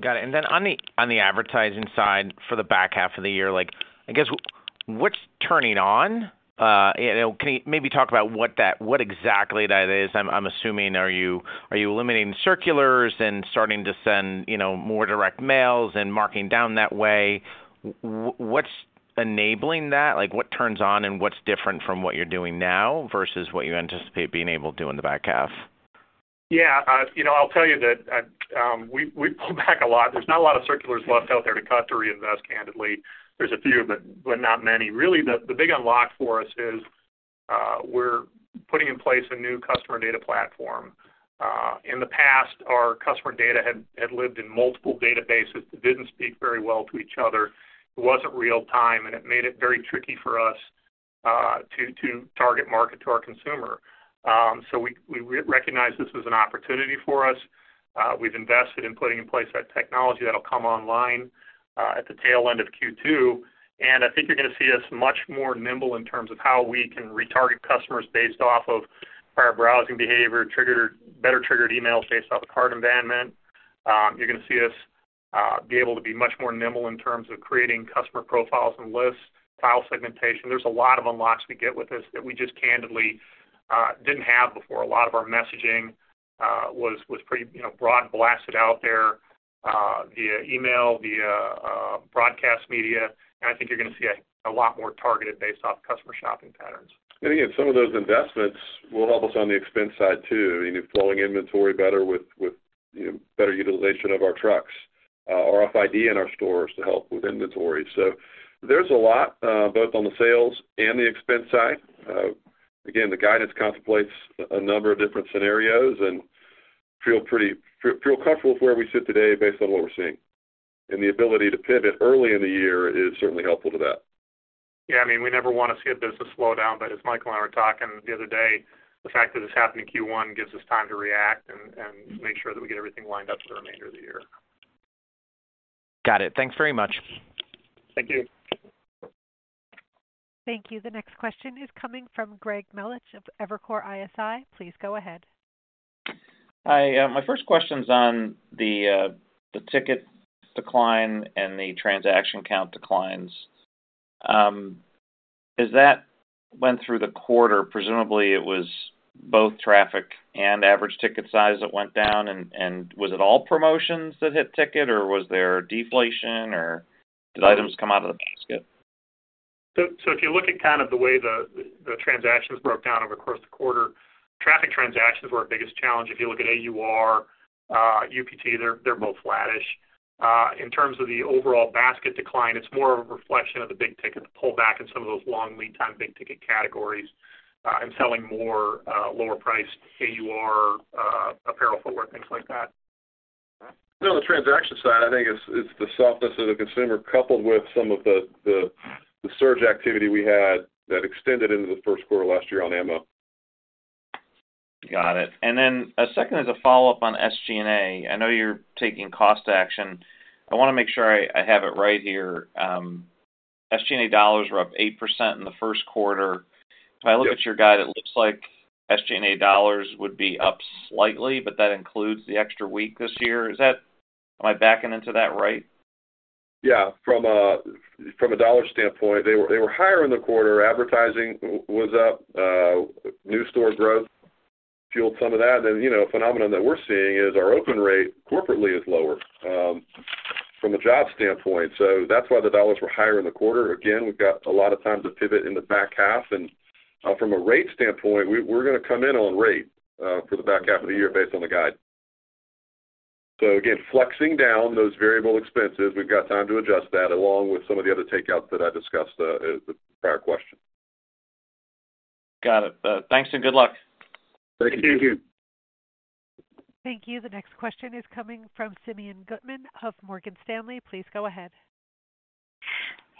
Got it. On the, on the advertising side for the back half of the year, like, I guess, what's turning on? You know, can you maybe talk about what exactly that is? I'm assuming, are you eliminating circulars and starting to send, you know, more direct mails and marking down that way? What's enabling that? Like, what turns on and what's different from what you're doing now versus what you anticipate being able to do in the back half? You know, I'll tell you that we've pulled back a lot. There's not a lot of circulars left out there to cut, to reinvest, candidly. There's a few, but not many. Really, the big unlock for us is we're putting in place a new customer data platform. In the past, our customer data had lived in multiple databases that didn't speak very well to each other. It wasn't real-time, and it made it very tricky for us to target market to our consumer. We recognize this as an opportunity for us. We've invested in putting in place that technology that'll come online at the tail end of Q2. I think you're going to see us much more nimble in terms of how we can retarget customers based off of prior browsing behavior, better triggered emails based off of cart abandonment. You're going to see us be able to be much more nimble in terms of creating customer profiles and lists, file segmentation. There's a lot of unlocks we get with this that we just candidly didn't have before. A lot of our messaging was pretty, you know, broad and blasted out there via email, via broadcast media. I think you're going to see a lot more targeted based off customer shopping patterns. Again, some of those investments will help us on the expense side, too. I mean, if flowing inventory better with, you know, better utilization of our trucks, RFID in our stores to help with inventory. There's a lot, both on the sales and the expense side. Again, the guidance contemplates a number of different scenarios and feel comfortable with where we sit today based on what we're seeing. The ability to pivot early in the year is certainly helpful to that. Yeah, I mean, we never want to see a business slow down, but as Michael and I were talking the other day, the fact that this happened in Q1 gives us time to react and make sure that we get everything lined up for the remainder of the year. Got it. Thanks very much. Thank you. Thank you. The next question is coming from Greg Melich of Evercore ISI. Please go ahead. Hi, my first question is on the ticket decline and the transaction count declines. As that went through the quarter, presumably it was both traffic and average ticket size that went down, and was it all promotions that hit ticket, or was there deflation, or did items come out of the basket? If you look at kind of the way the transactions broke down over across the quarter, traffic transactions were our biggest challenge. If you look at AUR, UPT, they're both flattish. In terms of the overall basket decline, it's more of a reflection of the big ticket pullback in some of those long lead time, big ticket categories, and selling more lower priced AUR, apparel, footwear, things like that. You know, the transaction side, I think it's the softness of the consumer, coupled with some of the surge activity we had that extended into the first quarter last year on ammo. Got it. A second, as a follow-up on SG&A. I know you're taking cost action. I want to make sure I have it right here. SG&A dollars were up 8% in the first quarter. If I look at your guide, it looks like SG&A dollars would be up slightly, but that includes the extra week this year. Is that, am I backing into that right? Yeah. From a dollar standpoint, they were higher in the quarter. Advertising was up. New store growth fueled some of that. you know, phenomenon that we're seeing is our open rate corporately is lower from a job standpoint, so that's why the dollars were higher in the quarter. Again, we've got a lot of time to pivot in the back half. From a rate standpoint, we're going to come in on rate for the back half of the year based on the guide. again, flexing down those variable expenses, we've got time to adjust that, along with some of the other takeouts that I discussed at the prior question. Got it. Thanks and good luck. Thank you. Thank you. Thank you. The next question is coming from Simeon Gutman of Morgan Stanley. Please go ahead.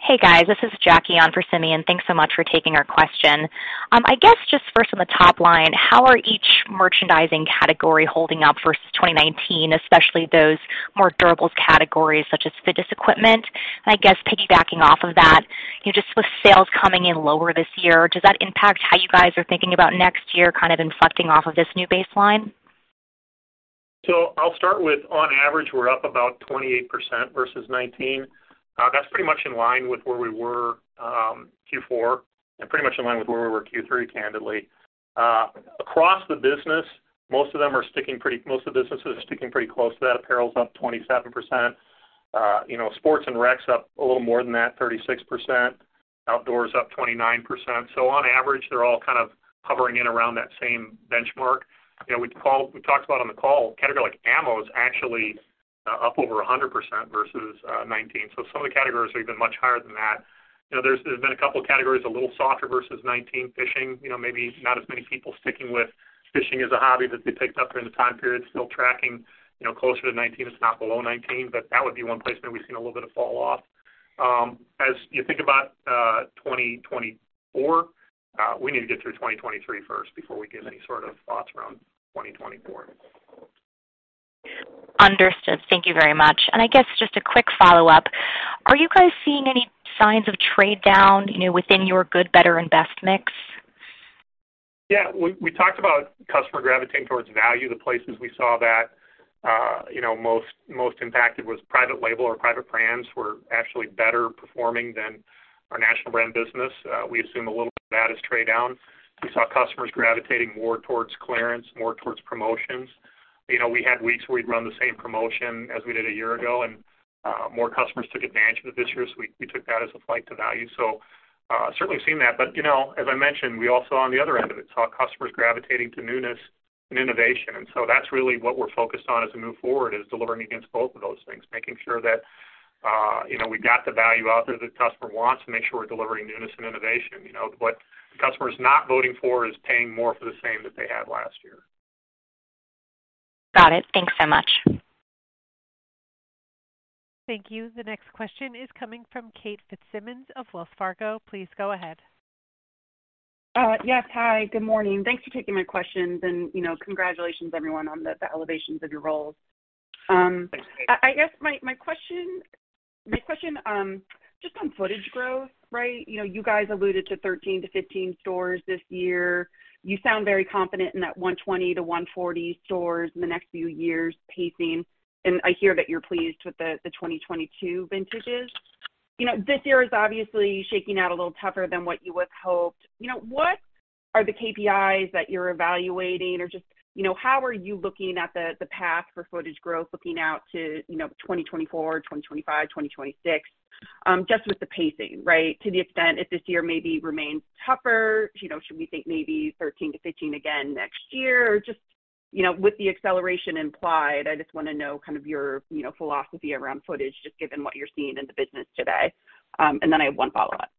Hey, guys, this is Jackie on for Simeon. Thanks so much for taking our question. I guess just first on the top line, how are each merchandising category holding up versus 2019, especially those more durables categories such as fitness equipment? I guess piggybacking off of that, you know, just with sales coming in lower this year, does that impact how you guys are thinking about next year, kind of inflecting off of this new baseline? I'll start with, on average, we're up about 28% versus 19. That's pretty much in line with where we were, Q4 and pretty much in line with where we were Q3, candidly. Across the business, most of the businesses are sticking pretty close to that. Apparel is up 27%. You know, sports and rec's up a little more than that, 36%. Outdoors up 29%. On average, they're all kind of hovering in around that same benchmark. You know, we talked about on the call, category like ammo is actually up over 100% versus 19. Some of the categories are even much higher than that. You know, there's been a couple of categories, a little softer versus 19. Fishing, you know, maybe not as many people sticking with fishing as a hobby that they picked up during the time period. Still tracking, you know, closer to 19. It's not below 19. That would be one place where we've seen a little bit of falloff. As you think about, 2024, we need to get through 2023 first before we give any sort of thoughts around 2024. Understood. Thank you very much. I guess just a quick follow-up. Are you guys seeing any signs of trade down, you know, within your good, better, and best mix? Yeah, we talked about customer gravitating towards value. The places we saw that, you know, most impacted was private label or private brands were actually better performing than our national brand business. We assume a little bit of that is trade down. We saw customers gravitating more towards clearance, more towards promotions. You know, we had weeks where we'd run the same promotion as we did a year ago, and more customers took advantage of it this year. We took that as a flight to value. Certainly seen that. You know, as I mentioned, we also, on the other end of it, saw customers gravitating to newness and innovation. That's really what we're focused on as we move forward, is delivering against both of those things, making sure that. you know, we got the value out there that the customer wants to make sure we're delivering newness and innovation, you know. What the customer is not voting for is paying more for the same that they had last year. Got it. Thanks so much. Thank you. The next question is coming from Kate Fitzsimons of Wells Fargo. Please go ahead. Yes, hi, good morning. Thanks for taking my questions. You know, congratulations, everyone, on the elevations of your roles. I guess my question, just on footage growth, right? You know, you guys alluded to 13-15 stores this year. You sound very confident in that 120-140 stores in the next few years pacing, and I hear that you're pleased with the 2022 vintages. You know, this year is obviously shaking out a little tougher than what you would have hoped. You know, what are the KPIs that you're evaluating or just, you know, how are you looking at the path for footage growth, looking out to, you know, 2024, 2025, 2026? Just with the pacing, right? To the extent if this year maybe remains tougher, you know, should we think maybe 13-15 again next year? Just, you know, with the acceleration implied, I just want to know kind of your, you know, philosophy around footage, just given what you're seeing in the business today. Then I have one follow-up.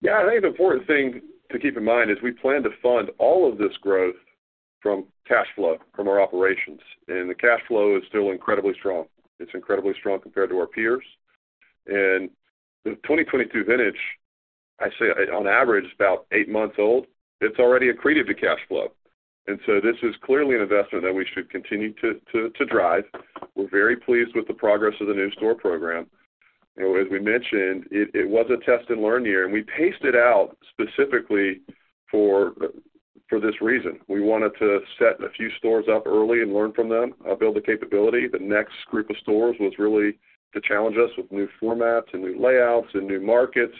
Yeah, I think the important thing to keep in mind is we plan to fund all of this growth from cash flow from our operations. The cash flow is still incredibly strong. It's incredibly strong compared to our peers. The 2022 vintage, I say on average, is about eight months old. It's already accreted to cash flow. This is clearly an investment that we should continue to drive. We're very pleased with the progress of the new store program. As we mentioned, it was a test and learn year, and we paced it out specifically for this reason. We wanted to set a few stores up early and learn from them, build the capability. The next group of stores was really to challenge us with new formats and new layouts and new markets.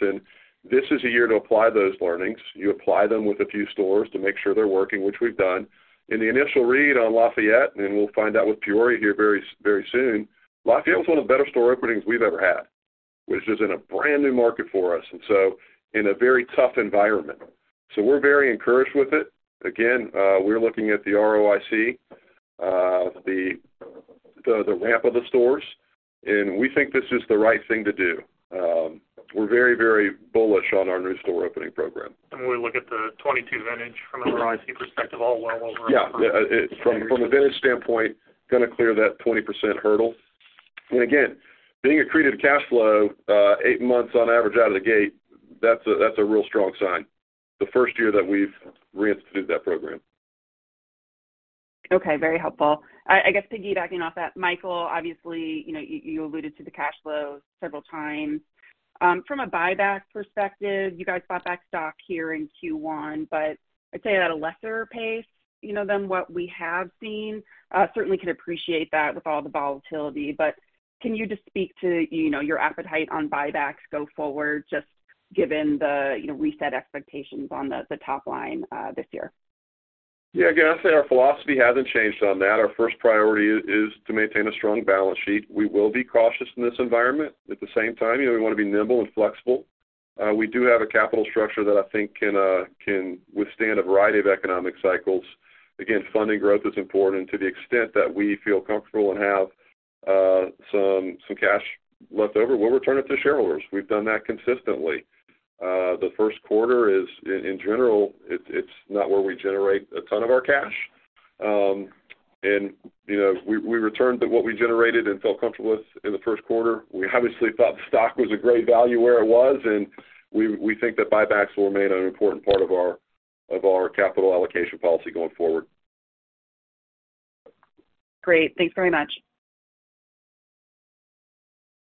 This is a year to apply those learnings. You apply them with a few stores to make sure they're working, which we've done. In the initial read on Lafayette, we'll find out with Peoria here very, very soon, Lafayette was one of the better store openings we've ever had, which is in a brand-new market for us. In a very tough environment. We're very encouraged with it. Again, we're looking at the ROIC, the ramp of the stores. We think this is the right thing to do. We're very, very bullish on our new store opening program. When we look at the 2022 vintage from an ROIC perspective, all well over-. Yeah. From a vintage standpoint, gonna clear that 20% hurdle. Being accreted cash flow, 8 months on average, out of the gate, that's a real strong sign. The first year that we've reinstituted that program. Okay, very helpful. I guess, piggybacking off that, Michael, obviously, you know, you alluded to the cash flow several times. From a buyback perspective, you guys bought back stock here in Q1, but I'd say at a lesser pace, you know, than what we have seen. Certainly can appreciate that with all the volatility, but can you just speak to, you know, your appetite on buybacks go forward, just given the, you know, reset expectations on the top line this year? Again, I'd say our philosophy hasn't changed on that. Our first priority is to maintain a strong balance sheet. We will be cautious in this environment. At the same time, you know, we want to be nimble and flexible. We do have a capital structure that I think can withstand a variety of economic cycles. Again, funding growth is important. To the extent that we feel comfortable and have some cash left over, we'll return it to shareholders. We've done that consistently. The first quarter is, in general, it's not where we generate a ton of our cash. You know, we returned to what we generated and felt comfortable with in the first quarter. We obviously thought the stock was a great value where it was, and we think that buybacks will remain an important part of our capital allocation policy going forward. Great. Thanks very much.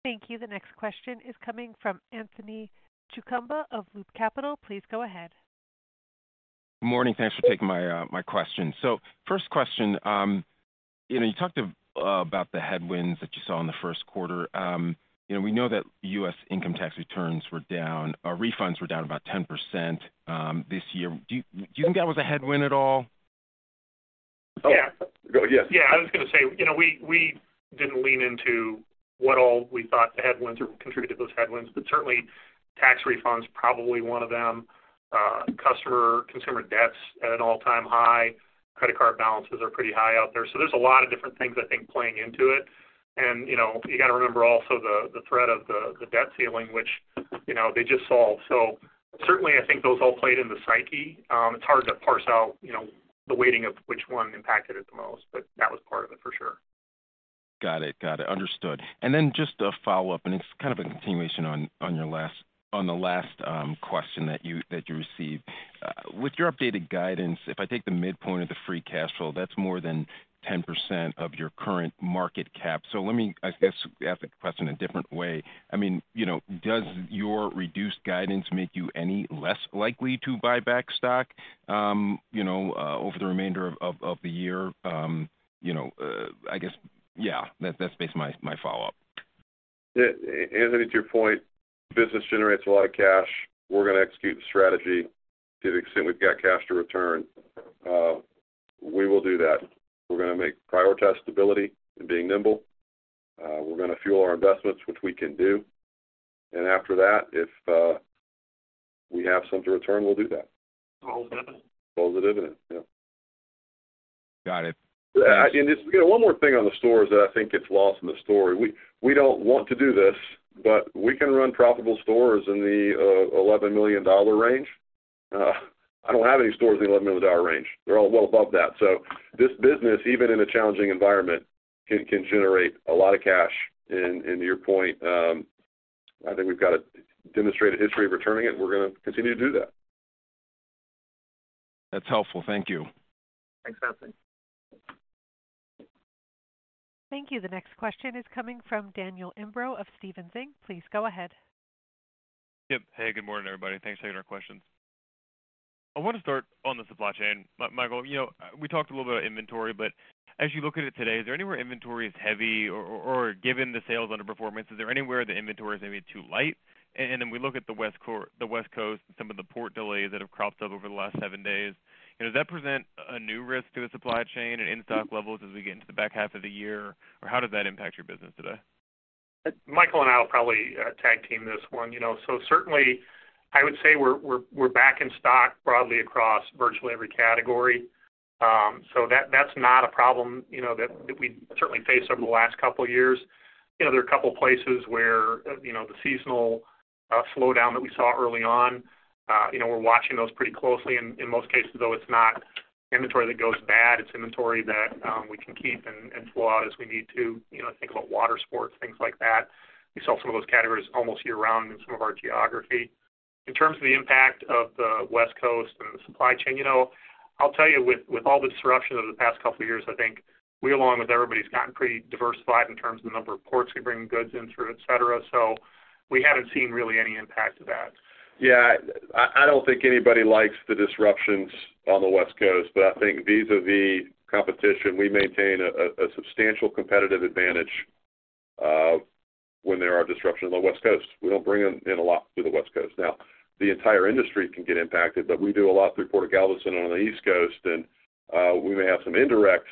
Thank you. The next question is coming from Anthony Chukumba of Loop Capital. Please go ahead. Good morning. Thanks for taking my question. First question, you know, you talked about the headwinds that you saw in the first quarter. You know, we know that U.S. income tax returns were down, or refunds were down about 10%, this year. Do you think that was a headwind at all? Yeah. Go, yes. I was going to say, you know, we didn't lean into what all we thought the headwinds or contributed to those headwinds, certainly tax refunds, probably one of them. Consumer debts at an all-time high. Credit card balances are pretty high out there. There's a lot of different things, I think, playing into it. You got to remember also the threat of the debt ceiling, which, you know, they just solved. Certainly, I think those all played in the psyche. It's hard to parse out, you know, the weighting of which one impacted it the most, that was part of it for sure. Got it. Got it. Understood. Just a follow-up, and it's kind of a continuation on the last question that you received. With your updated guidance, if I take the midpoint of the free cash flow, that's more than 10% of your current market cap. Let me, I guess, ask the question a different way. I mean, you know, does your reduced guidance make you any less likely to buy back stock, you know, over the remainder of the year? You know, I guess, yeah, that's basically my follow-up. Yeah. Anthony, to your point, business generates a lot of cash. We're going to execute the strategy. To the extent we've got cash to return, we will do that. We're going to make prioritize stability and being nimble. We're going to fuel our investments, which we can do. After that, if we have some to return, we'll do that. Positive. Positive, yeah. Got it. Just, you know, one more thing on the stores that I think gets lost in the story. We don't want to do this, but we can run profitable stores in the $11 million range. I don't have any stores in the $11 million range. They're all well above that. This business, even in a challenging environment, can generate a lot of cash. To your point, I think we've got a demonstrated history of returning it, and we're gonna continue to do that. That's helpful. Thank you. Thanks, Anthony. Thank you. The next question is coming from Daniel Imbro of Stephens Inc. Please go ahead. Yep. Hey, good morning, everybody. Thanks for taking our questions. I want to start on the supply chain. Michael, you know, we talked a little about inventory, but as you look at it today, is there anywhere inventory is heavy, or given the sales underperformance, is there anywhere the inventory is maybe too light? Then we look at the West Coast and some of the port delays that have cropped up over the last seven days. You know, does that present a new risk to a supply chain and in-stock levels as we get into the back half of the year? How does that impact your business today? Michael and I will probably tag team this one. You know, certainly I would say we're back in stock broadly across virtually every category. That's not a problem, you know, that we certainly faced over the last couple of years. You know, there are a couple of places where, you know, the seasonal slowdown that we saw early on, you know, we're watching those pretty closely. In most cases, though, it's not inventory that goes bad, it's inventory that we can keep and flow out as we need to. You know, think about water sports, things like that. We sell some of those categories almost year-round in some of our geography. In terms of the impact of the West Coast and the supply chain, you know, I'll tell you, with all this disruption over the past couple of years, I think we, along with everybody, has gotten pretty diversified in terms of the number of ports we bring goods in through, et cetera. We haven't seen really any impact to that. I don't think anybody likes the disruptions on the West Coast, but I think vis-a-vis competition, we maintain a substantial competitive advantage when there are disruptions on the West Coast. We don't bring in a lot to the West Coast. The entire industry can get impacted, but we do a lot through Port of Galveston on the East Coast, and we may have some indirect,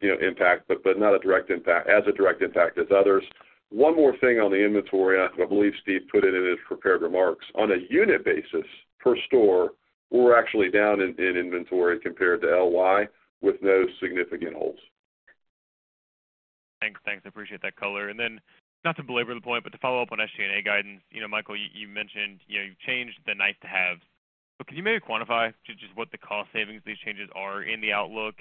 you know, impact, but not a direct impact, as a direct impact as others. One more thing on the inventory, I believe Steve put it in his prepared remarks. On a unit basis, per store, we're actually down in inventory compared to LY with no significant holds. Thanks. I appreciate that color. Not to belabor the point, but to follow up on SG&A guidance. You know, Michael, you mentioned, you know, you've changed the nice to have, but could you maybe quantify just what the cost savings these changes are in the outlook?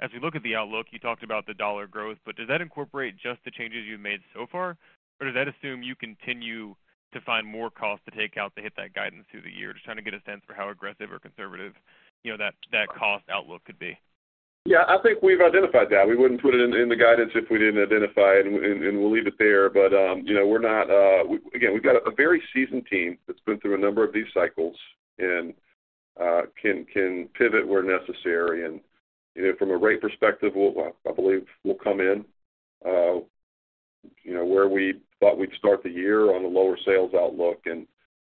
As we look at the outlook, you talked about the dollar growth, but does that incorporate just the changes you've made so far, or does that assume you continue to find more costs to take out to hit that guidance through the year? Just trying to get a sense for how aggressive or conservative, you know, that cost outlook could be. Yeah, I think we've identified that. We wouldn't put it in the guidance if we didn't identify it, and we'll leave it there. You know, we're not. Again, we've got a very seasoned team that's been through a number of these cycles and can pivot where necessary. You know, from a rate perspective, we'll, I believe, we'll come in, you know, where we thought we'd start the year on a lower sales outlook, and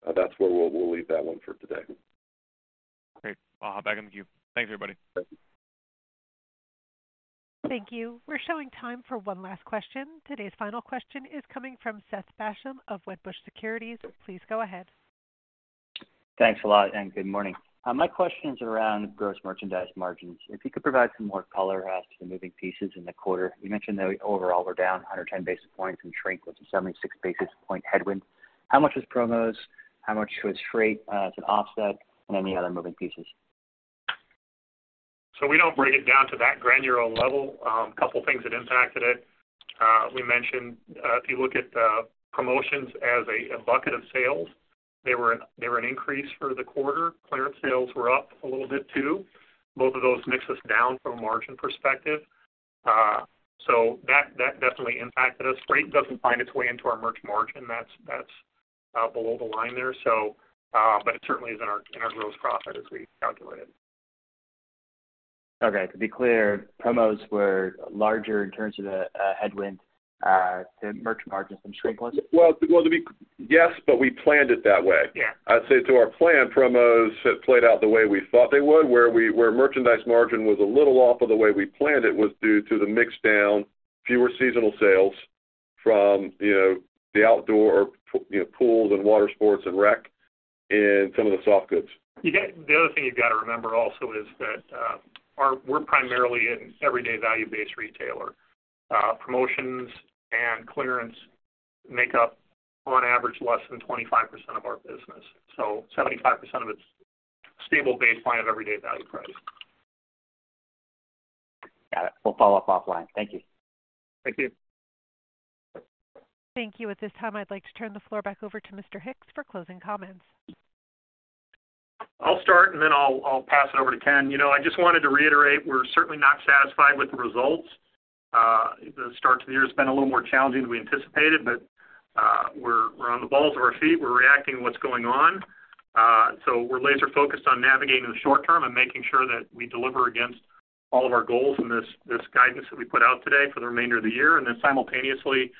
that's where we'll leave that one for today. Great. I'll hop back in the queue. Thanks, everybody. Thank you. Thank you. We're showing time for one last question. Today's final question is coming from Seth Basham of Wedbush Securities. Please go ahead. Thanks a lot. Good morning. My question is around gross merchandise margins. If you could provide some more color as to the moving pieces in the quarter. You mentioned that overall, we're down 110 basis points and shrink was a 76 basis point headwind. How much was promos? How much was freight as an offset, and any other moving pieces? We don't break it down to that granular level. A couple of things that impacted it. We mentioned, if you look at the promotions as a bucket of sales, they were an increase for the quarter. Clearance sales were up a little bit, too. Both of those mixes down from a margin perspective. That definitely impacted us. Freight doesn't find its way into our merch margin. That's below the line there. But it certainly is in our gross profit as we calculate it. Okay. To be clear, promos were larger in terms of the headwind to merch margins and shrink points? Well, yes, but we planned it that way. Yeah. I'd say to our plan, promos have played out the way we thought they would, where merchandise margin was a little off of the way we planned it was due to the mix down, fewer seasonal sales from, you know, the outdoor, you know, pools and water sports and rec and some of the soft goods. The other thing you've got to remember also is that we're primarily an everyday value-based retailer. Promotions and clearance make up, on average, less than 25% of our business. 75% of it's stable baseline of everyday value price. Got it. We'll follow-up offline. Thank you. Thank you. Thank you. At this time, I'd like to turn the floor back over to Mr. Hicks for closing comments. I'll start, then I'll pass it over to Ken. You know, I just wanted to reiterate, we're certainly not satisfied with the results. The start to the year has been a little more challenging than we anticipated. We're on the balls of our feet. We're reacting to what's going on. We're laser-focused on navigating the short term and making sure that we deliver against all of our goals and this guidance that we put out today for the remainder of the year. Simultaneously,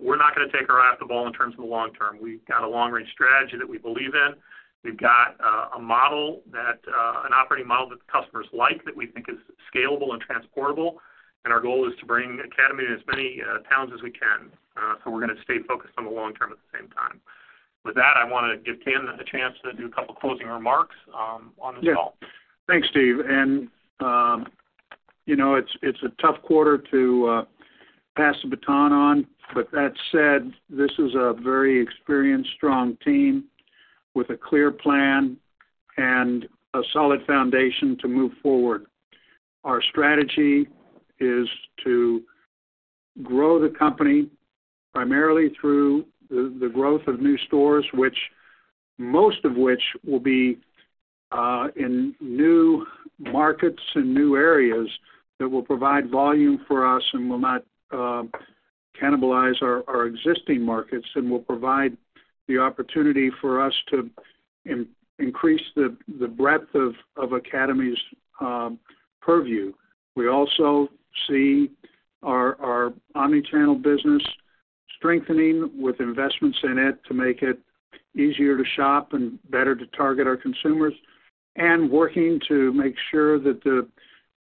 we're not gonna take our eye off the ball in terms of the long term. We've got a long-range strategy that we believe in. We've got a model that an operating model that the customers like, that we think is scalable and transportable, and our goal is to bring Academy to as many towns as we can. We're gonna stay focused on the lon-term at the same time. With that, I want to give Ken a chance to do a couple closing remarks on this call. Yeah. Thanks, Steve. You know, it's a tough quarter to pass the baton on. That said, this is a very experienced, strong team with a clear plan and a solid foundation to move forward. Our strategy is to grow the company primarily through the growth of new stores, which most of which will be in new markets and new areas that will provide volume for us and will not cannibalize our existing markets, and will provide the opportunity for us to increase the breadth of Academy's purview. We also see our omni-channel business strengthening with investments in it to make it easier to shop and better to target our consumers, and working to make sure that the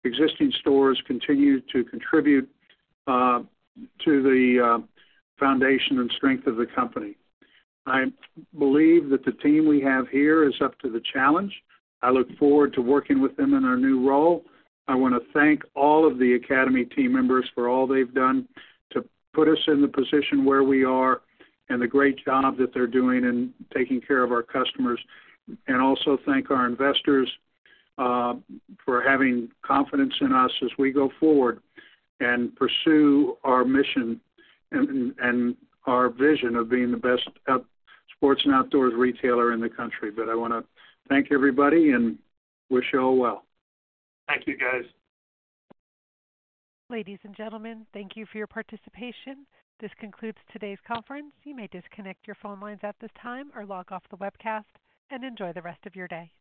existing stores continue to contribute to the foundation and strength of the company. I believe that the team we have here is up to the challenge. I look forward to working with them in our new role. I want to thank all of the Academy team members for all they've done to put us in the position where we are and the great job that they're doing in taking care of our customers. Also thank our investors for having confidence in us as we go forward and pursue our mission and our vision of being the best at sports and outdoors retailer in the country. I want to thank everybody and wish you all well. Thank you, guys. Ladies and gentlemen, thank you for your participation. This concludes today's conference. You may disconnect your phone lines at this time or log off the webcast and enjoy the rest of your day.